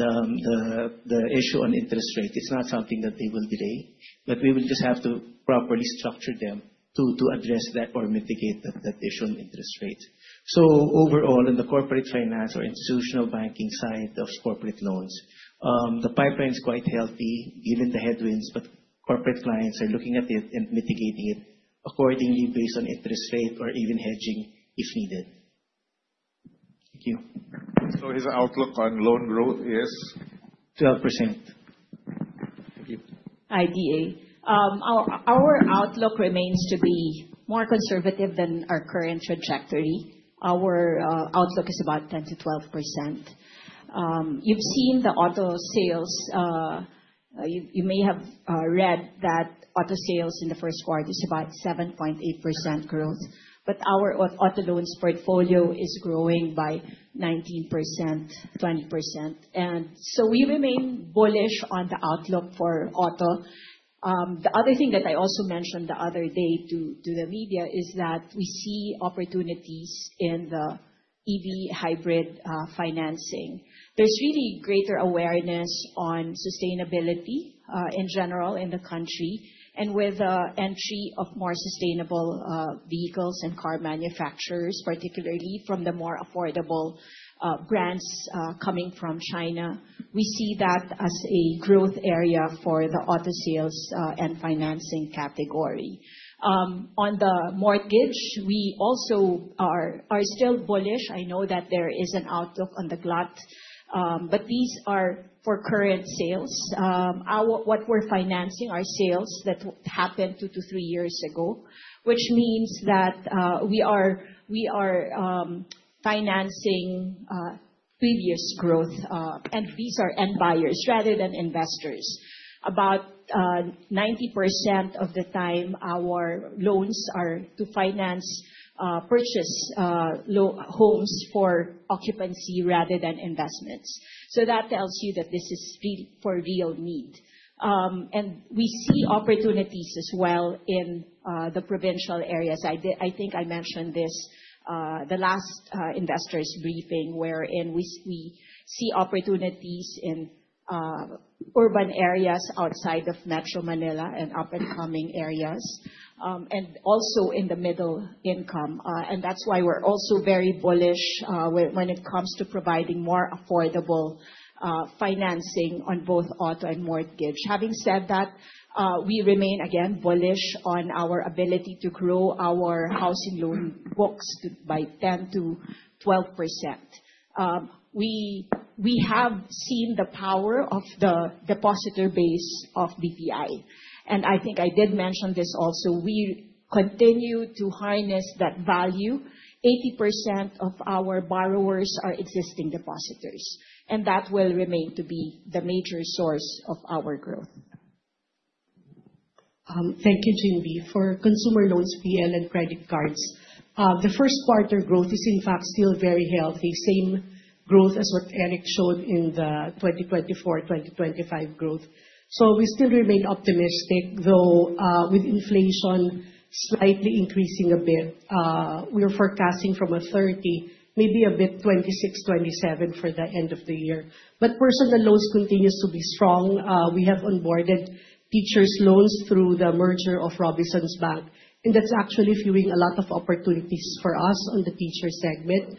[SPEAKER 6] the issue on interest rate is not something that they will delay, but we will just have to properly structure them to address that or mitigate that issue on interest rate. Overall, in the corporate finance or institutional banking side of corporate loans, the pipeline is quite healthy, given the headwinds, but corporate clients are looking at it and mitigating it accordingly based on interest rate or even hedging if needed.
[SPEAKER 5] Thank you.
[SPEAKER 3] His outlook on loan growth is?
[SPEAKER 6] 12%.
[SPEAKER 5] Thank you.
[SPEAKER 7] Our outlook remains to be more conservative than our current trajectory. Our outlook is about 10%-12%. You've seen the auto sales, you may have read that auto sales in the Q1 is about 7.8% growth. Our auto loans portfolio is growing by 19%, 20%. We remain bullish on the outlook for auto. The other thing that I also mentioned the other day to the media is that we see opportunities in the EV hybrid financing. There's really greater awareness on sustainability in general in the country. With the entry of more sustainable vehicles and car manufacturers, particularly from the more affordable brands coming from China, we see that as a growth area for the auto sales and financing category. On the mortgage, we are still bullish. I know that there is an outlook on the glut, but these are for current sales. What we're financing are sales that happened 2-3 years ago, which means that we are financing previous growth. These are end buyers rather than investors. About 90% of the time our loans are to finance purchase homes for occupancy rather than investments. So that tells you that this is for real need. We see opportunities as well in the provincial areas. I think I mentioned this the last investors briefing wherein we see opportunities in urban areas outside of Metro Manila and up-and-coming areas, and also in the middle income. That's why we're also very bullish when it comes to providing more affordable financing on both auto and mortgage. Having said that, we remain again bullish on our ability to grow our housing loan books by 10%-12%. We have seen the power of the depositor base of BPI, and I think I did mention this also. We continue to harness that value. 80% of our borrowers are existing depositors, and that will remain to be the major source of our growth.
[SPEAKER 8] Thank you, Ginbee Go. For consumer loans, PL and credit cards, the Q1 growth is in fact still very healthy. Same growth as what Eric showed in the 2024, 2025 growth. We still remain optimistic, though, with inflation slightly increasing a bit, we're forecasting 30%, maybe a bit 26%-27% for the end of the year. Personal loans continues to be strong. We have onboarded teachers loans through the merger of Robinsons Bank, and that's actually fueling a lot of opportunities for us on the teacher segment.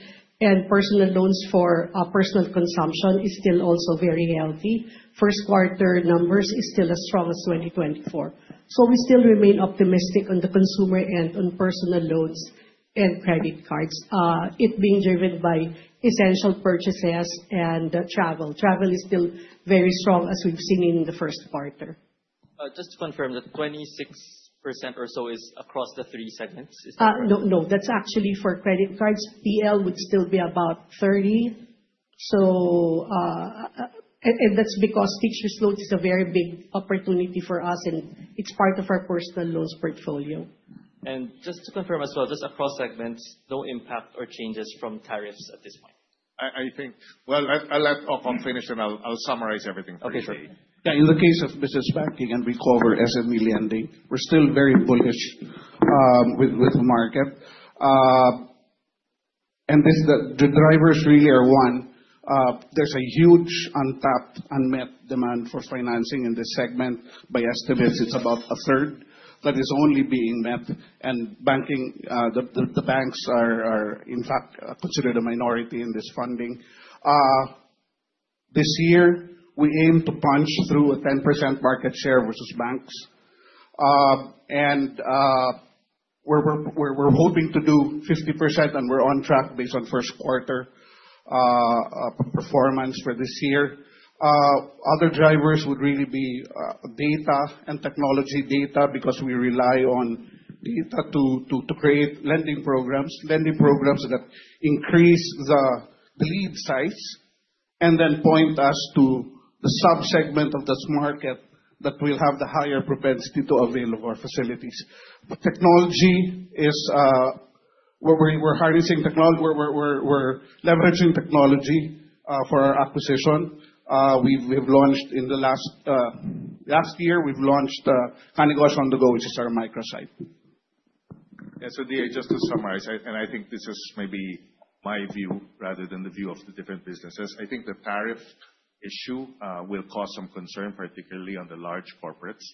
[SPEAKER 8] Personal loans for personal consumption is still also very healthy. Q1 numbers is still as strong as 2024. We still remain optimistic on the consumer and on personal loans and credit cards, it being driven by essential purchases and travel. Travel is still very strong as we've seen in the Q1.
[SPEAKER 5] Just to confirm, the 26% or so is across the three segments? Is that-
[SPEAKER 8] No, no, that's actually for credit cards. NPL would still be about 30%, and that's because teachers loans is a very big opportunity for us, and it's part of our personal loans portfolio.
[SPEAKER 5] Just to confirm as well, just across segments, no impact or changes from tariffs at this point?
[SPEAKER 3] I think. Well, I'll let Ococ Ocliasa finish, and I'll summarize everything for you.
[SPEAKER 5] Okay, sure.
[SPEAKER 9] Yeah, in the case of business banking, and we cover SME lending, we're still very bullish with the market. The drivers really are, one, there's a huge untapped, unmet demand for financing in this segment. By estimates, it's about a third that is only being met. Banking, the banks are in fact considered a minority in this funding. This year we aim to punch through a 10% market share versus banks. We're hoping to do 50%, and we're on track based on Q1 performance for this year. Other drivers would really be data and technology data, because we rely on data to create lending programs that increase the lead size and then point us to the sub-segment of this market that will have the higher propensity to avail of our facilities. Technology is. We're leveraging technology for our acquisition. We've launched in the last year Ka-Negosyo On The Go, which is our microsite.
[SPEAKER 3] Yeah, so DA, just to summarize, I think this is maybe my view rather than the view of the different businesses. I think the tariff issue will cause some concern, particularly on the large corporates.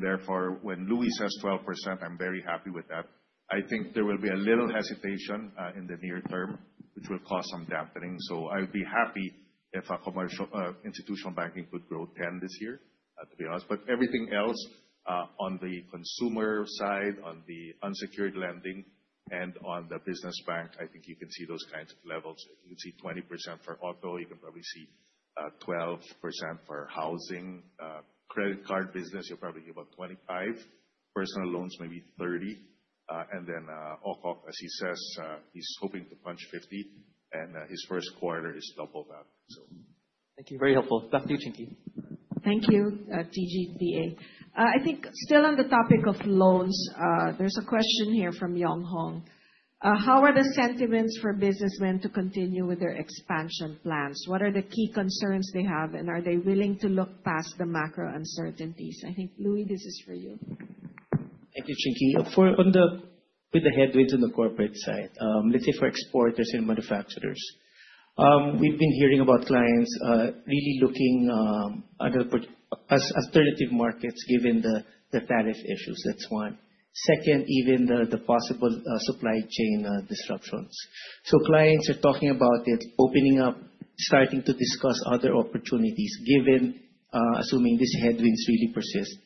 [SPEAKER 3] Therefore, when Louie says 12%, I'm very happy with that. I think there will be a little hesitation in the near term, which will cause some dampening. I'd be happy if our commercial institutional banking could grow 10% this year, to be honest. Everything else on the consumer side, on the unsecured lending and on the business bank, I think you can see those kinds of levels. You can see 20% for auto. You can probably see 12% for housing. Credit card business, you'll probably get about 25%. Personal loans may be 30%. And then, Ococ Ocliasa, as he says, he's hoping to punch 50%, and his Q1 is double that.
[SPEAKER 5] Thank you. Very helpful. Back to you, Chinky.
[SPEAKER 2] Thank you, TG, DA. I think still on the topic of loans, there's a question here from Yong Hong. How are the sentiments for businessmen to continue with their expansion plans? What are the key concerns they have, and are they willing to look past the macro uncertainties? I think, Louie, this is for you.
[SPEAKER 6] Thank you, Chinky. With the headwinds on the corporate side, let's say for exporters and manufacturers, we've been hearing about clients really looking at other as alternative markets given the tariff issues. That's one. Second, even the possible supply chain disruptions. Clients are talking about it, opening up, starting to discuss other opportunities given assuming these headwinds really persist.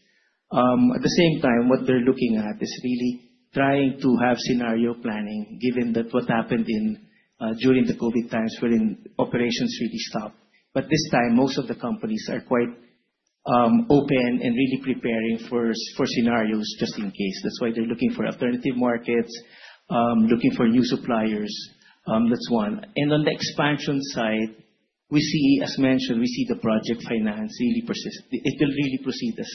[SPEAKER 6] At the same time, what they're looking at is really trying to have scenario planning given that what happened during the COVID times wherein operations really stopped. This time, most of the companies are quite open and really preparing for scenarios just in case. That's why they're looking for alternative markets, looking for new suppliers. That's one. On the expansion side, we see, as mentioned, the project finance really persist. It will really proceed as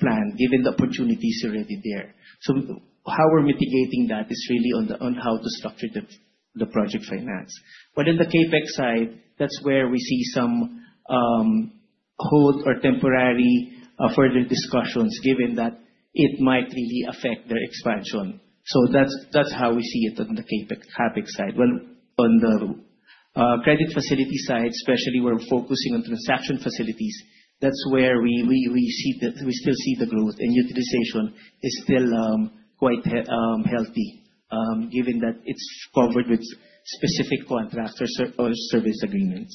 [SPEAKER 6] planned, given the opportunity is already there. How we're mitigating that is really on how to structure the project finance. But in the CapEx side, that's where we see some halt or temporary further discussions given that it might really affect their expansion. That's how we see it on the CapEx side. On the credit facility side, especially we're focusing on transaction facilities, that's where we still see the growth, and utilization is still quite healthy given that it's covered with specific contracts or service agreements.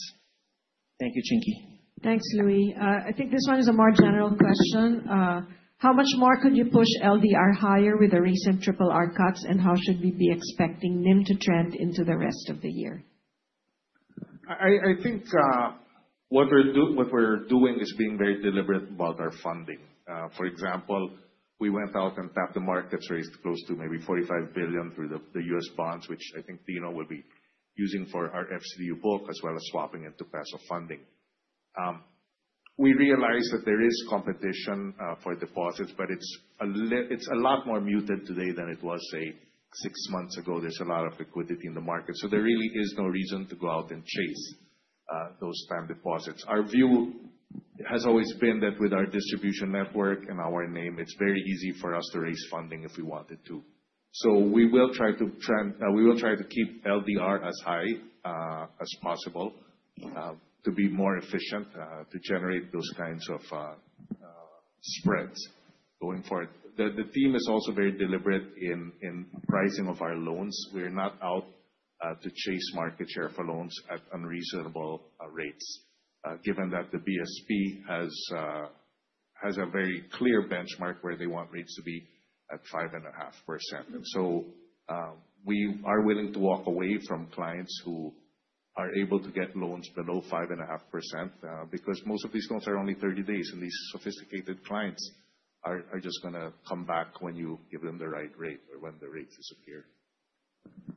[SPEAKER 6] Thank you, Chinky.
[SPEAKER 2] Thanks, Louie. I think this one is a more general question. How much more could you push LDR higher with the recent triple R cuts, and how should we be expecting NIM to trend into the rest of the year?
[SPEAKER 3] I think what we're doing is being very deliberate about our funding. For example, we went out and tapped the markets, raised close to maybe $45 billion through the U.S. bonds, which I think Dino will be using for our FCDU book, as well as swapping into peso funding. We realize that there is competition for deposits, but it's a lot more muted today than it was, say, 6 months ago. There's a lot of liquidity in the market, so there really is no reason to go out and chase those time deposits. Our view has always been that with our distribution network and our name, it's very easy for us to raise funding if we wanted to. We will try to trend... We will try to keep LDR as high as possible to be more efficient to generate those kinds of spreads going forward. The team is also very deliberate in pricing of our loans. We're not out to chase market share for loans at unreasonable rates. Given that the BSP has a very clear benchmark where they want rates to be at 5.5%. We are willing to walk away from clients who are able to get loans below 5.5% because most of these loans are only 30 days, and these sophisticated clients are just gonna come back when you give them the right rate or when the rates disappear.
[SPEAKER 2] Thank you,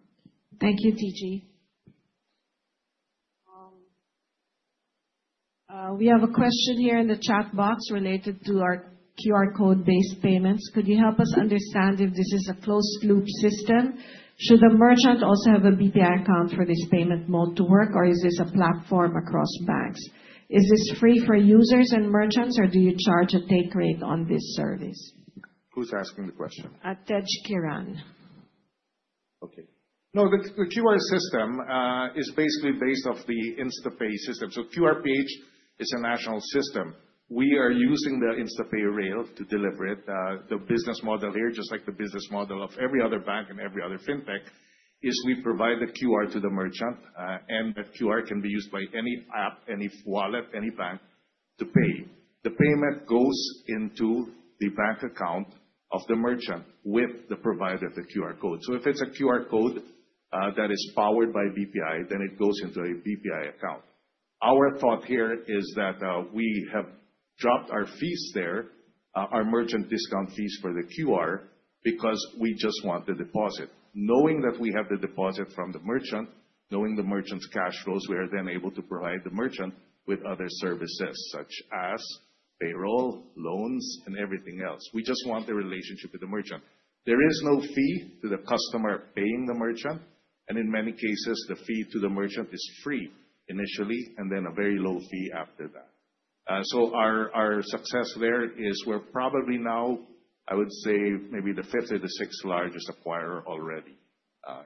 [SPEAKER 2] TG. We have a question here in the chat box related to our QR code-based payments. Could you help us understand if this is a closed-loop system? Should the merchant also have a BPI account for this payment mode to work, or is this a platform across banks? Is this free for users and merchants, or do you charge a take rate on this service?
[SPEAKER 3] Who's asking the question?
[SPEAKER 2] Atej Kiran.
[SPEAKER 3] Okay. No, the QR system is basically based off the InstaPay system. QRPH is a national system. We are using the InstaPay rail to deliver it. The business model here, just like the business model of every other bank and every other fintech, is we provide the QR to the merchant. That QR can be used by any app, any wallet, any bank to pay. The payment goes into the bank account of the merchant with the provider of the QR code. If it's a QR code that is powered by BPI, then it goes into a BPI account. Our thought here is that we have dropped our fees there, our merchant discount fees for the QR, because we just want the deposit. Knowing that we have the deposit from the merchant, knowing the merchant's cash flows, we are then able to provide the merchant with other services such as payroll, loans, and everything else. We just want the relationship with the merchant. There is no fee to the customer paying the merchant, and in many cases, the fee to the merchant is free initially and then a very low fee after that. Our success there is we're probably now, I would say, maybe the fifth or the sixth largest acquirer already.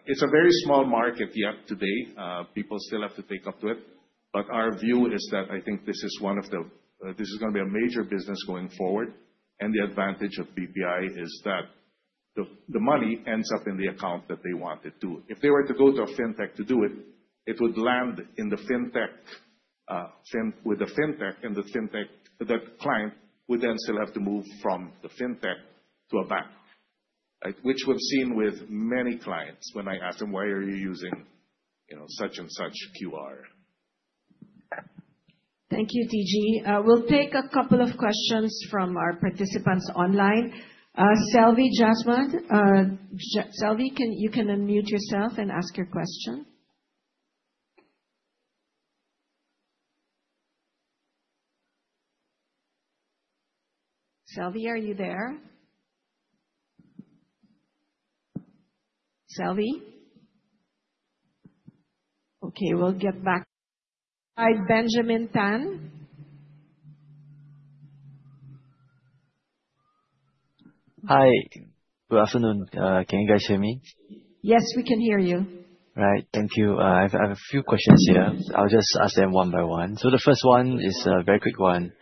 [SPEAKER 3] It's a very small market but today. People still have to warm up to it. Our view is that I think this is gonna be a major business going forward. The advantage of BPI is that the money ends up in the account that they want it to. If they were to go to a fintech to do it would land in the fintech with the fintech and the fintech. The client would then still have to move from the fintech to a bank, which we've seen with many clients when I ask them, "Why are you using, you know, such and such QR?
[SPEAKER 2] Thank you, TG. We'll take a couple of questions from our participants online. Selvi Jasman. Selvi, you can unmute yourself and ask your question. Selvi, are you there? Selvi? Okay, we'll get back to Benjamin Tan.
[SPEAKER 10] Hi. Good afternoon. Can you guys hear me?
[SPEAKER 2] Yes, we can hear you.
[SPEAKER 10] Right. Thank you. I have a few questions here. I'll just ask them one by one. The first one is a very quick one.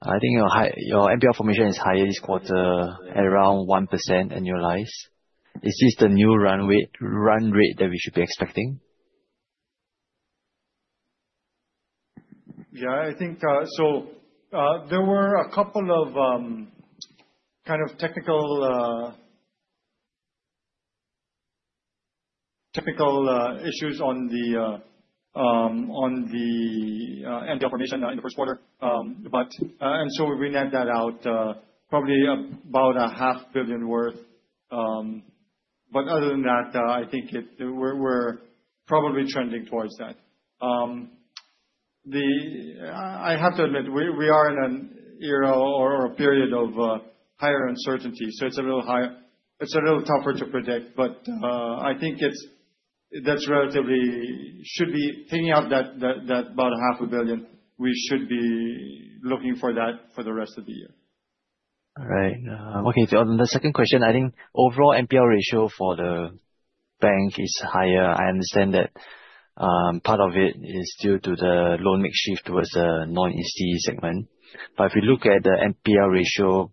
[SPEAKER 10] I think your NPL formation is higher this quarter at around 1% annualized. Is this the new run rate that we should be expecting?
[SPEAKER 3] Yeah, I think so there were a couple of kind of technical issues on the NPL formation in the Q1. We net that out, probably about a half billion worth. Other than that, I think we're probably trending towards that. I have to admit, we are in an era or a period of higher uncertainty, so it's a little higher. It's a little tougher to predict, but I think it's that relatively should be taking out that about a half a billion. We should be looking for that for the rest of the year.
[SPEAKER 10] The second question, I think overall NPL ratio for the bank is higher. I understand that, part of it is due to the loan mix shift towards the non-institutional segment. If you look at the NPL ratio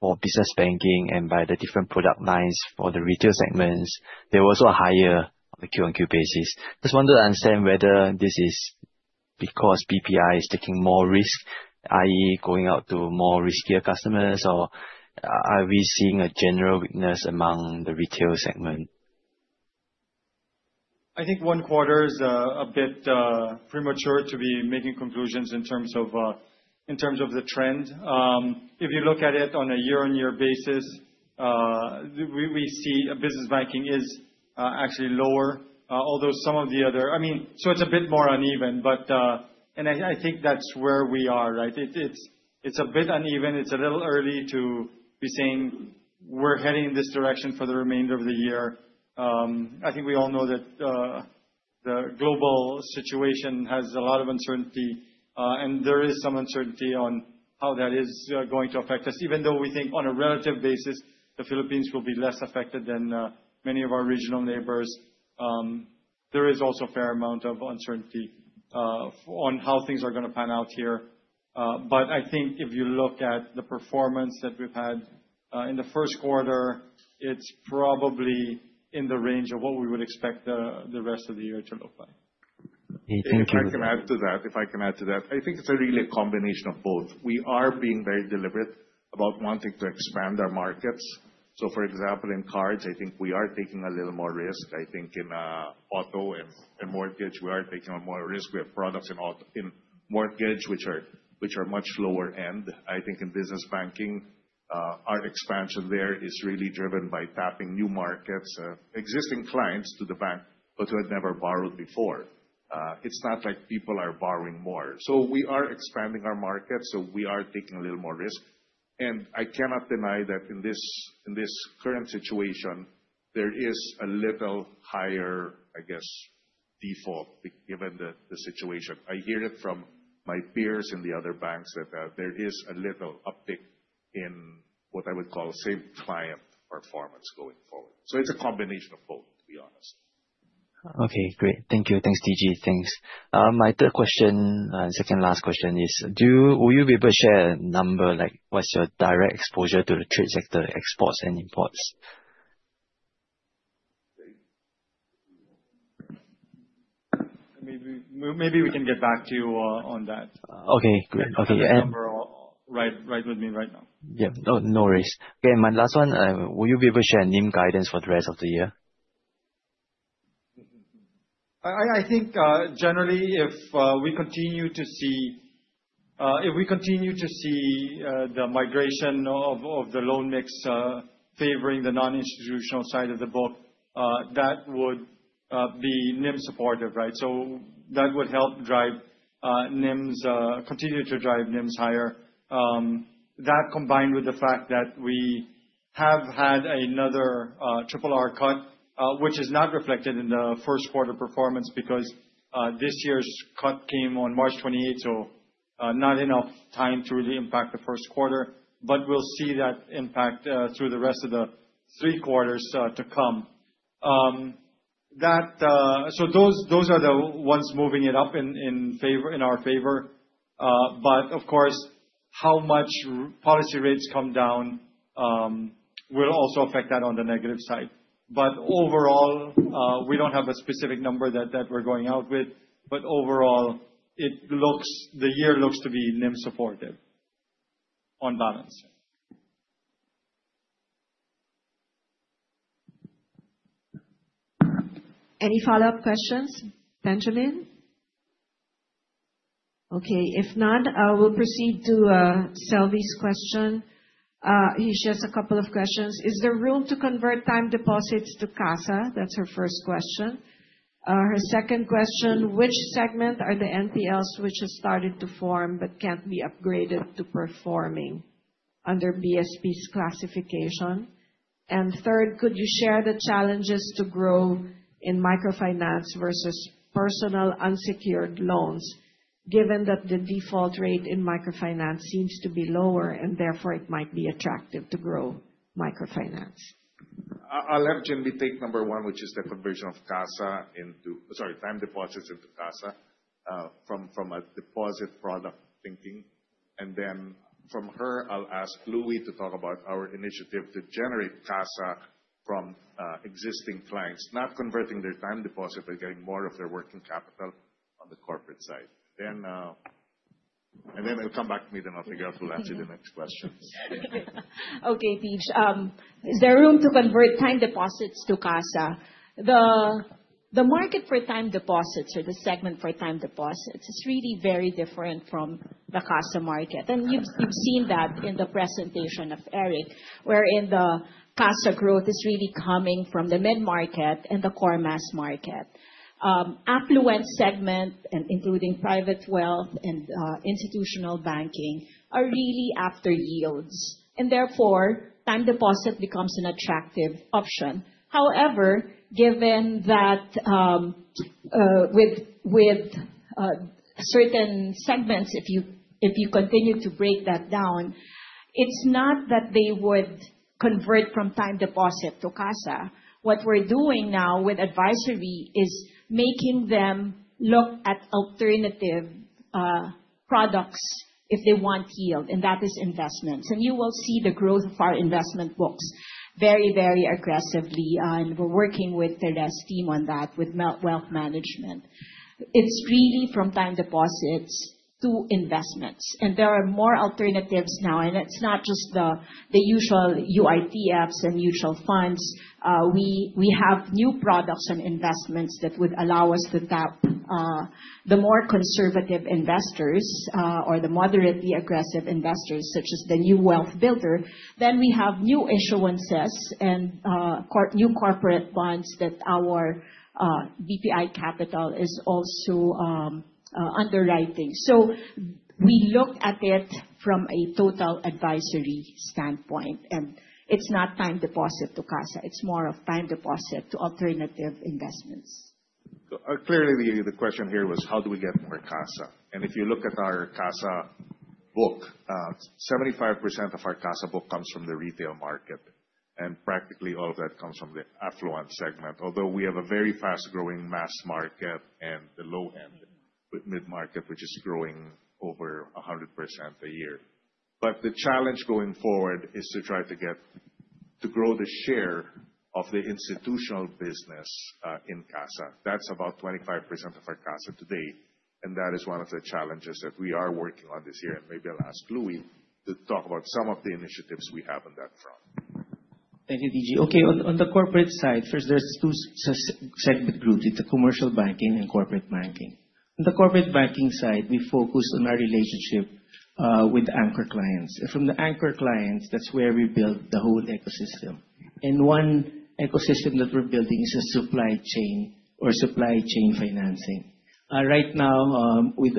[SPEAKER 10] for business banking and by the different product lines for the retail segments, they're also higher on a Q-on-Q basis. Just wanted to understand whether this is because BPI is taking more risk, i.e., going out to more riskier customers, or are we seeing a general weakness among the retail segment?
[SPEAKER 3] I think one quarter is a bit premature to be making conclusions in terms of the trend. If you look at it on a year-on-year basis, we see business banking is Actually lower, I mean, so it's a bit more uneven, but and I think that's where we are, right? It's a bit uneven. It's a little early to be saying we're heading this direction for the remainder of the year. I think we all know that the global situation has a lot of uncertainty, and there is some uncertainty on how that is going to affect us. Even though we think on a relative basis, the Philippines will be less affected than many of our regional neighbors. There is also a fair amount of uncertainty on how things are gonna pan out here. I think if you look at the performance that we've had in the Q1, it's probably in the range of what we would expect the rest of the year to look like.
[SPEAKER 10] Okay. Thank you.
[SPEAKER 3] If I can add to that. I think it's really a combination of both. We are being very deliberate about wanting to expand our markets. For example, in cards, I think we are taking a little more risk. I think in auto and mortgage, we are taking on more risk. We have products in auto in mortgage, which are much lower end. I think in business banking, our expansion there is really driven by tapping new markets, existing clients to the bank, but who had never borrowed before. It's not like people are borrowing more. We are expanding our markets, so we are taking a little more risk. I cannot deny that in this current situation, there is a little higher, I guess, default given the situation. I hear it from my peers in the other banks that there is a little uptick in what I would call same client performance going forward. It's a combination of both, to be honest.
[SPEAKER 10] Okay, great. Thank you. Thanks, TG. Thanks. My third question, second last question is, will you be able to share a number, like what's your direct exposure to the trade sector exports and imports?
[SPEAKER 3] Maybe we can get back to you on that.
[SPEAKER 10] Okay, great. Okay
[SPEAKER 3] I don't have the number offhand with me right now.
[SPEAKER 10] Yeah. No, no worries. Okay, my last one, will you be able to share NIM guidance for the rest of the year?
[SPEAKER 4] I think generally, if we continue to see the migration of the loan mix favoring the non-institutional side of the book, that would be NIM supportive, right? That would help drive NIMs continue to drive NIMs higher. That combined with the fact that we have had another triple R cut, which is not reflected in the Q1 performance because this year's cut came on March twenty-eighth, so not enough time to really impact the Q1 We'll see that impact through the rest of the three quarters to come. Those are the ones moving it up in our favor. Of course, how much policy rates come down will also affect that on the negative side. Overall, we don't have a specific number that we're going out with. Overall, the year looks to be NIM supportive on balance.
[SPEAKER 2] Any follow-up questions? Benjamin? Okay, if not, we'll proceed to Selvi's question. He has just a couple of questions. Is there room to convert time deposits to CASA? That's her first question. Her second question: Which segment are the NPLs which has started to form but can't be upgraded to performing under BSP's classification? And third, could you share the challenges to grow in microfinance versus personal unsecured loans, given that the default rate in microfinance seems to be lower and therefore it might be attractive to grow microfinance?
[SPEAKER 3] I'll have Ginbee take number one, which is the conversion of time deposits into CASA, from a deposit product thinking. Then from her, I'll ask Louie to talk about our initiative to generate CASA from existing clients, not converting their time deposit, but getting more of their working capital on the corporate side. It'll come back to me, then I'll figure out who answers the next questions.
[SPEAKER 7] Okay, TG. Is there room to convert time deposits to CASA? The market for time deposits or the segment for time deposits is really very different from the CASA market. You've seen that in the presentation of Eric Luchangco, wherein the CASA growth is really coming from the mid-market and the core mass market. Affluent segment and including private wealth and institutional banking are really after yields, and therefore time deposit becomes an attractive option. However, given that, with certain segments, if you continue to break that down, it's not that they would convert from time deposit to CASA. What we're doing now with advisory is making them look at alternative products if they want yield, and that is investments. You will see the growth of our investment books very, very aggressively. We're working with Tere's team on that, with wealth management. It's really from time deposits to investments. There are more alternatives now, and it's not just the usual UITFs and mutual funds. We have new products and investments that would allow us to tap the more conservative investors or the moderately aggressive investors such as the new Wealth Builder. We have new issuances and new corporate bonds that our BPI Capital is also underwriting. We look at it from a total advisory standpoint, and it's not time deposit to CASA. It's more of time deposit to alternative investments.
[SPEAKER 3] Clearly the question here was how do we get more CASA? If you look at our CASA book, 75% of our CASA book comes from the retail market, and practically all of that comes from the affluent segment. Although we have a very fast growing mass market and the low end with mid-market, which is growing over 100% a year. The challenge going forward is to try to grow the share of the institutional business in CASA. That's about 25% of our CASA today, and that is one of the challenges that we are working on this year. Maybe I'll ask Louie to talk about some of the initiatives we have on that front.
[SPEAKER 6] Thank you, TG. Okay, on the corporate side, first there's two sub-segment groups. It's the commercial banking and corporate banking. On the corporate banking side, we focus on our relationship with anchor clients. From the anchor clients, that's where we build the whole ecosystem. One ecosystem that we're building is a supply chain or supply chain financing. Right now, with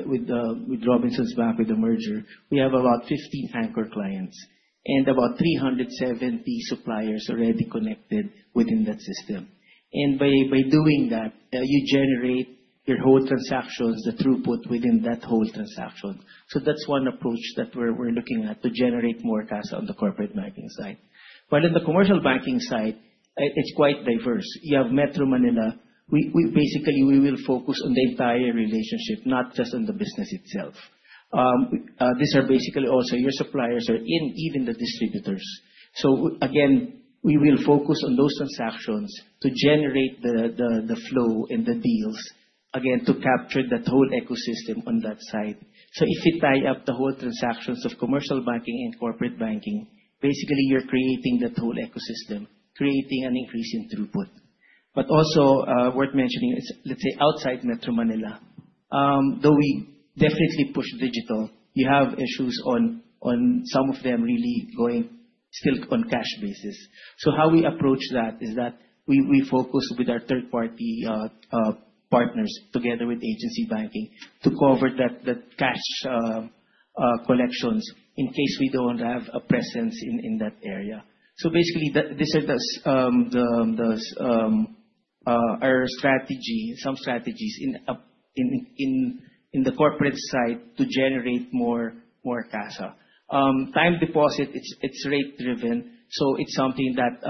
[SPEAKER 6] Robinsons Bank, with the merger, we have about 50 anchor clients and about 370 suppliers already connected within that system. By doing that, you generate your whole transactions, the throughput within that whole transaction. That's one approach that we're looking at to generate more CASA on the corporate banking side. In the commercial banking side, it's quite diverse. You have Metro Manila. We basically will focus on the entire relationship, not just on the business itself. These are basically also your suppliers or even the distributors. Again, we will focus on those transactions to generate the flow and the deals, again, to capture that whole ecosystem on that side. If you tie up the whole transactions of commercial banking and corporate banking, basically you're creating that whole ecosystem, creating an increase in throughput. Also worth mentioning is, let's say, outside Metro Manila, though we definitely push digital, you have issues on some of them really going still on cash basis. How we approach that is that we focus with our third party partners together with agency banking to cover that, the cash collections in case we don't have a presence in that area. Basically these are the some strategies in the corporate side to generate more CASA. Time deposit, it's rate driven, so it's something that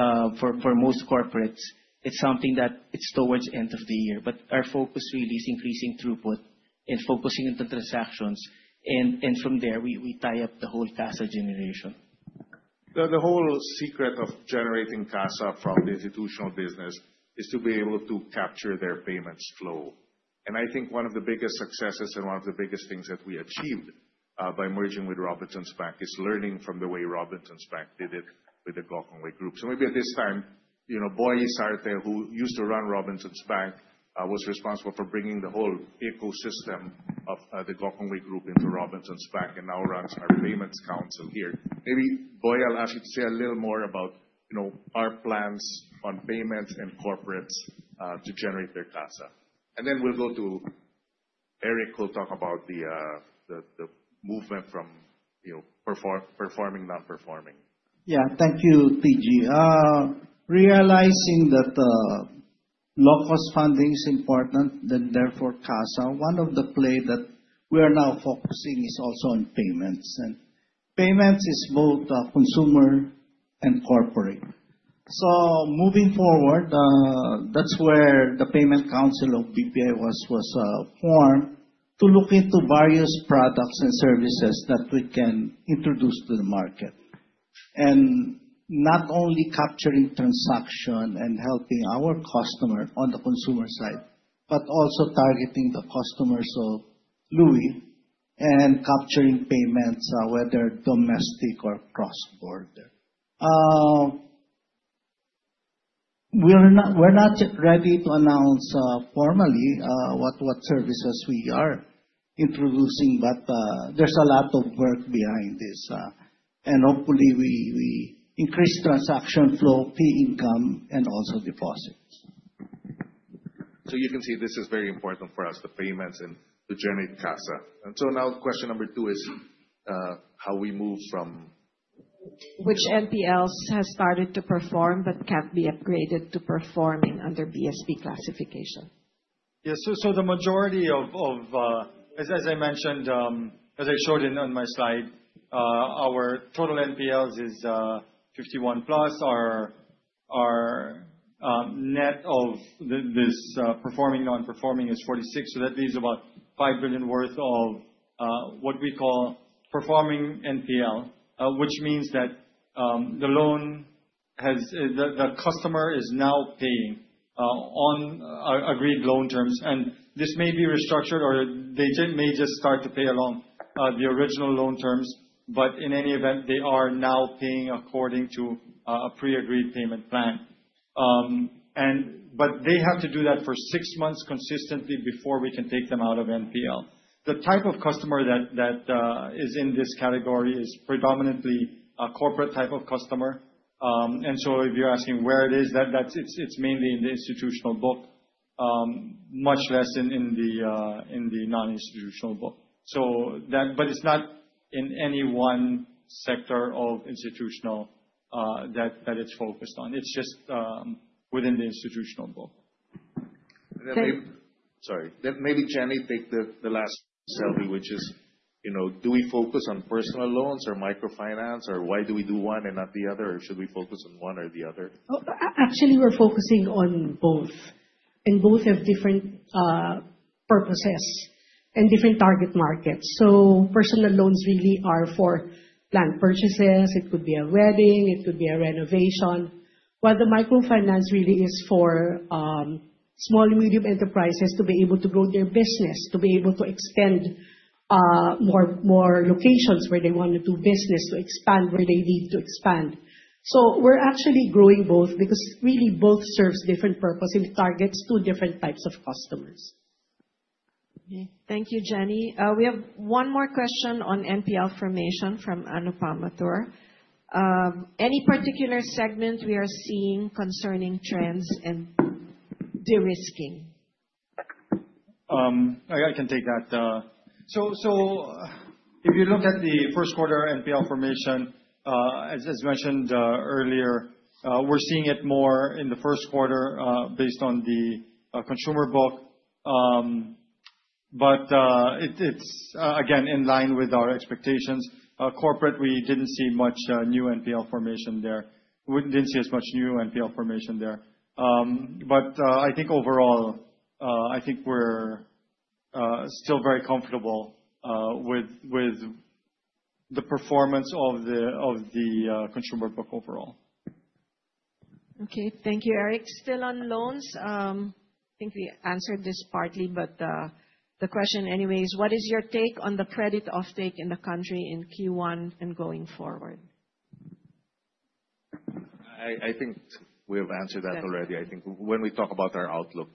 [SPEAKER 6] for most corporates, it's something that it's towards end of the year. Our focus really is increasing throughput and focusing on the transactions and from there we tie up the whole CASA generation.
[SPEAKER 3] The whole secret of generating CASA from the institutional business is to be able to capture their payments flow. I think one of the biggest successes and one of the biggest things that we achieved by merging with Robinsons Bank is learning from the way Robinsons Bank did it with the Gokongwei Group. Maybe at this time, you know, Boy Isarte, who used to run Robinsons Bank, was responsible for bringing the whole ecosystem of the Gokongwei Group into Robinsons Bank and now runs our payments council here. Maybe, Boy, I'll ask you to say a little more about, you know, our plans on payments and corporates to generate their CASA. Then we'll go to Eric, who'll talk about the movement from, you know, performing, not performing.
[SPEAKER 11] Yeah. Thank you, TG. Realizing that low cost funding is important, then therefore CASA, one of the play that we are now focusing is also on payments. Payments is both consumer and corporate. Moving forward, that's where the Payments Council of BPI was formed to look into various products and services that we can introduce to the market. Not only capturing transaction and helping our customer on the consumer side, but also targeting the customers of Louie and capturing payments, whether domestic or cross-border. We're not yet ready to announce formally what services we are introducing, but there's a lot of work behind this. Hopefully we increase transaction flow, fee income, and also deposits.
[SPEAKER 3] You can see this is very important for us, the payments and to generate CASA. Now question number two is, how we move from-
[SPEAKER 2] Which NPLs has started to perform but can't be upgraded to performing under BSP classification?
[SPEAKER 4] The majority of, as I mentioned, as I showed on my slide, our total NPLs is 51+ billion. Our net of this performing/non-performing is 46 billion, so that leaves about 5 billion worth of what we call performing NPL. Which means that the customer is now paying on agreed loan terms. This may be restructured or they may just start to pay along the original loan terms. In any event, they are now paying according to a pre-agreed payment plan. They have to do that for six months consistently before we can take them out of NPL. The type of customer that is in this category is predominantly a corporate type of customer. If you're asking where it is, that's it's mainly in the institutional book, much less in the non-institutional book. It's not in any one sector of institutional.
[SPEAKER 3] That it's focused on. It's just within the institutional book.
[SPEAKER 2] Then.
[SPEAKER 3] Sorry. Maybe Jenny take the last segment, which is, you know, do we focus on personal loans or microfinance or why do we do one and not the other? Or should we focus on one or the other?
[SPEAKER 8] Actually, we're focusing on both, and both have different purposes and different target markets. Personal loans really are for planned purchases. It could be a wedding, it could be a renovation, while the microfinance really is for small and medium enterprises to be able to grow their business, to be able to expand more locations where they wanna do business, to expand where they need to expand. We're actually growing both because really both serves different purpose and targets two different types of customers.
[SPEAKER 2] Okay. Thank you, Jenny. We have one more question on NPL formation from Anupama Tura. Any particular segment we are seeing concerning trends and de-risking?
[SPEAKER 4] I can take that. If you look at the Q1 NPL formation, as mentioned earlier, we're seeing it more in the Q1 based on the consumer book. It is again in line with our expectations. Corporate, we didn't see as much new NPL formation there. I think overall we're still very comfortable with the consumer book overall.
[SPEAKER 2] Okay. Thank you, Eric Luchangco. Still on loans. I think we answered this partly, but the question anyway is: What is your take on the credit offtake in the country in Q1 and going forward?
[SPEAKER 3] I think we have answered that already.
[SPEAKER 2] Okay.
[SPEAKER 3] I think when we talk about our outlook.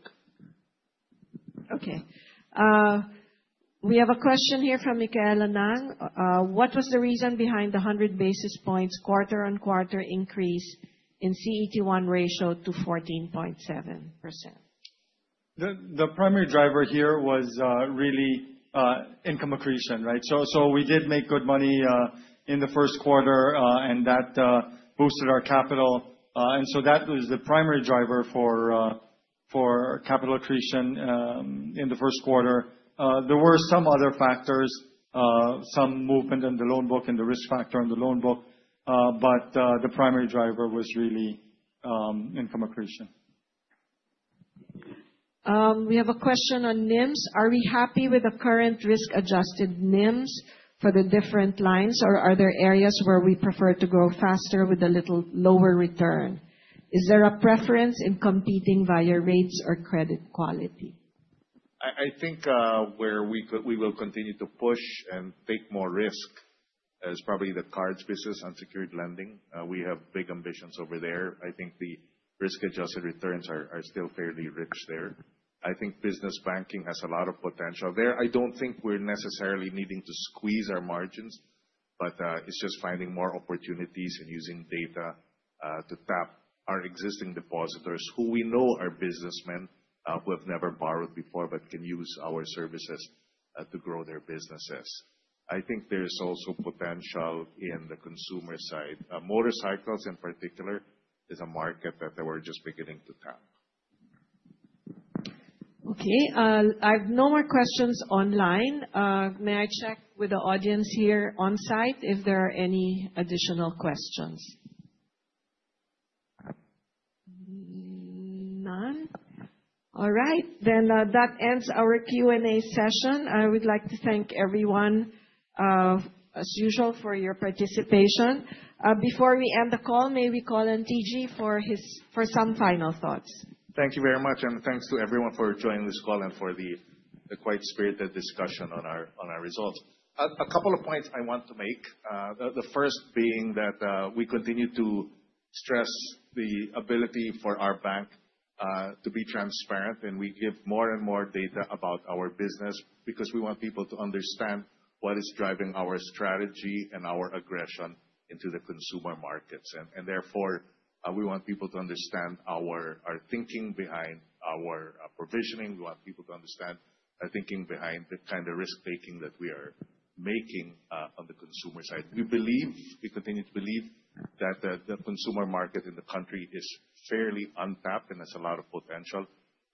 [SPEAKER 2] We have a question here from Michaela Ng. What was the reason behind the 100 basis points quarter-on-quarter increase in CET1 ratio to 14.7%?
[SPEAKER 4] The primary driver here was really income accretion, right? So we did make good money in the Q1 and that boosted our capital. That was the primary driver for capital accretion in the Q1. There were some other factors, some movement in the loan book and the risk factor on the loan book, but the primary driver was really income accretion.
[SPEAKER 2] We have a question on NIMS. Are we happy with the current risk-adjusted NIMS for the different lines, or are there areas where we prefer to grow faster with a little lower return? Is there a preference in competing via rates or credit quality?
[SPEAKER 3] I think we will continue to push and take more risk is probably the cards business and secured lending. We have big ambitions over there. I think the risk-adjusted returns are still fairly rich there. I think business banking has a lot of potential. There, I don't think we're necessarily needing to squeeze our margins, but it's just finding more opportunities and using data to tap our existing depositors who we know are businessmen who have never borrowed before but can use our services to grow their businesses. I think there is also potential in the consumer side. Motorcycles, in particular, is a market that we're just beginning to tap.
[SPEAKER 2] Okay. I've no more questions online. May I check with the audience here on-site if there are any additional questions? None. All right. That ends our Q&A session. I would like to thank everyone, as usual for your participation. Before we end the call, may we call on TG for some final thoughts.
[SPEAKER 3] Thank you very much, and thanks to everyone for joining this call and for the quite spirited discussion on our results. A couple of points I want to make. The first being that we continue to stress the ability for our bank to be transparent, and we give more and more data about our business because we want people to understand what is driving our strategy and our aggression into the consumer markets. Therefore, we want people to understand our thinking behind our provisioning. We want people to understand our thinking behind the kind of risk-taking that we are making on the consumer side. We believe, we continue to believe that the consumer market in the country is fairly untapped and has a lot of potential.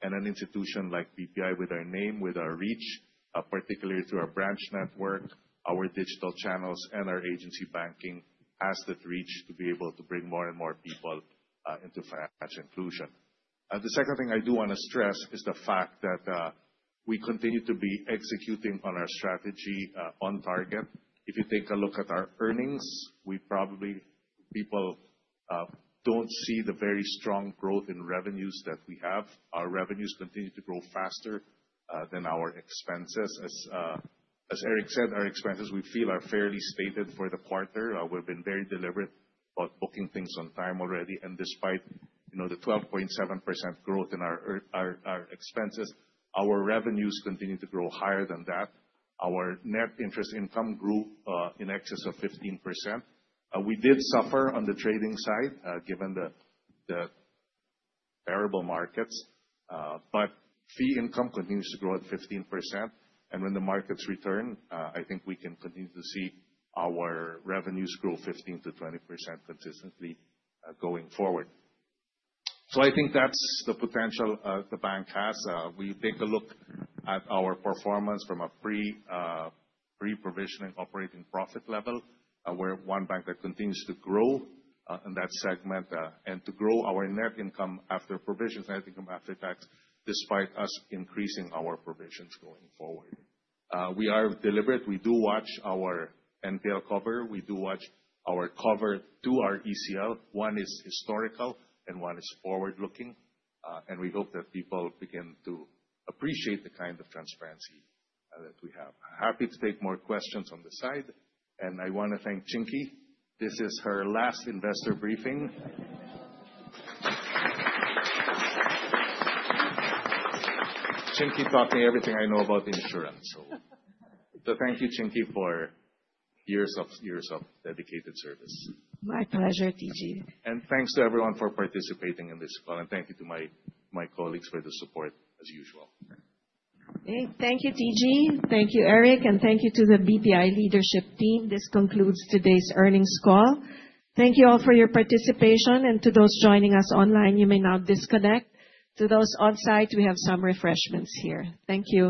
[SPEAKER 3] An institution like BPI with our name, with our reach, particularly through our branch network, our digital channels, and our agency banking, has the reach to be able to bring more and more people into financial inclusion. The second thing I do wanna stress is the fact that we continue to be executing on our strategy on target. If you take a look at our earnings, people don't see the very strong growth in revenues that we have. Our revenues continue to grow faster than our expenses. As Eric said, our expenses, we feel, are fairly stated for the period. We've been very deliberate about booking things on time already. Despite, you know, the 12.7% growth in our expenses, our revenues continue to grow higher than that. Our net interest income grew in excess of 15%. We did suffer on the trading side given the variable markets, but fee income continues to grow at 15%. When the markets return, I think we can continue to see our revenues grow 15%-20% consistently going forward. I think that's the potential the bank has. We take a look at our performance from a pre-provision and operating profit level, we're one bank that continues to grow in that segment and to grow our net income after provisions, net income after tax, despite us increasing our provisions going forward. We are deliberate. We do watch our NPL cover. We do watch our cover to our ECL. One is historical and one is forward-looking, and we hope that people begin to appreciate the kind of transparency that we have. Happy to take more questions on the side. I wanna thank Chinky. This is her last investor briefing. Chinky taught me everything I know about insurance. Thank you, Chinky, for years of dedicated service.
[SPEAKER 2] My pleasure, TG.
[SPEAKER 3] Thanks to everyone for participating in this call, and thank you to my colleagues for the support as usual.
[SPEAKER 2] Okay. Thank you, TG. Thank you, Eric, and thank you to the BPI leadership team. This concludes today's earnings call. Thank you all for your participation, and to those joining us online, you may now disconnect. To those on-site, we have some refreshments here. Thank you.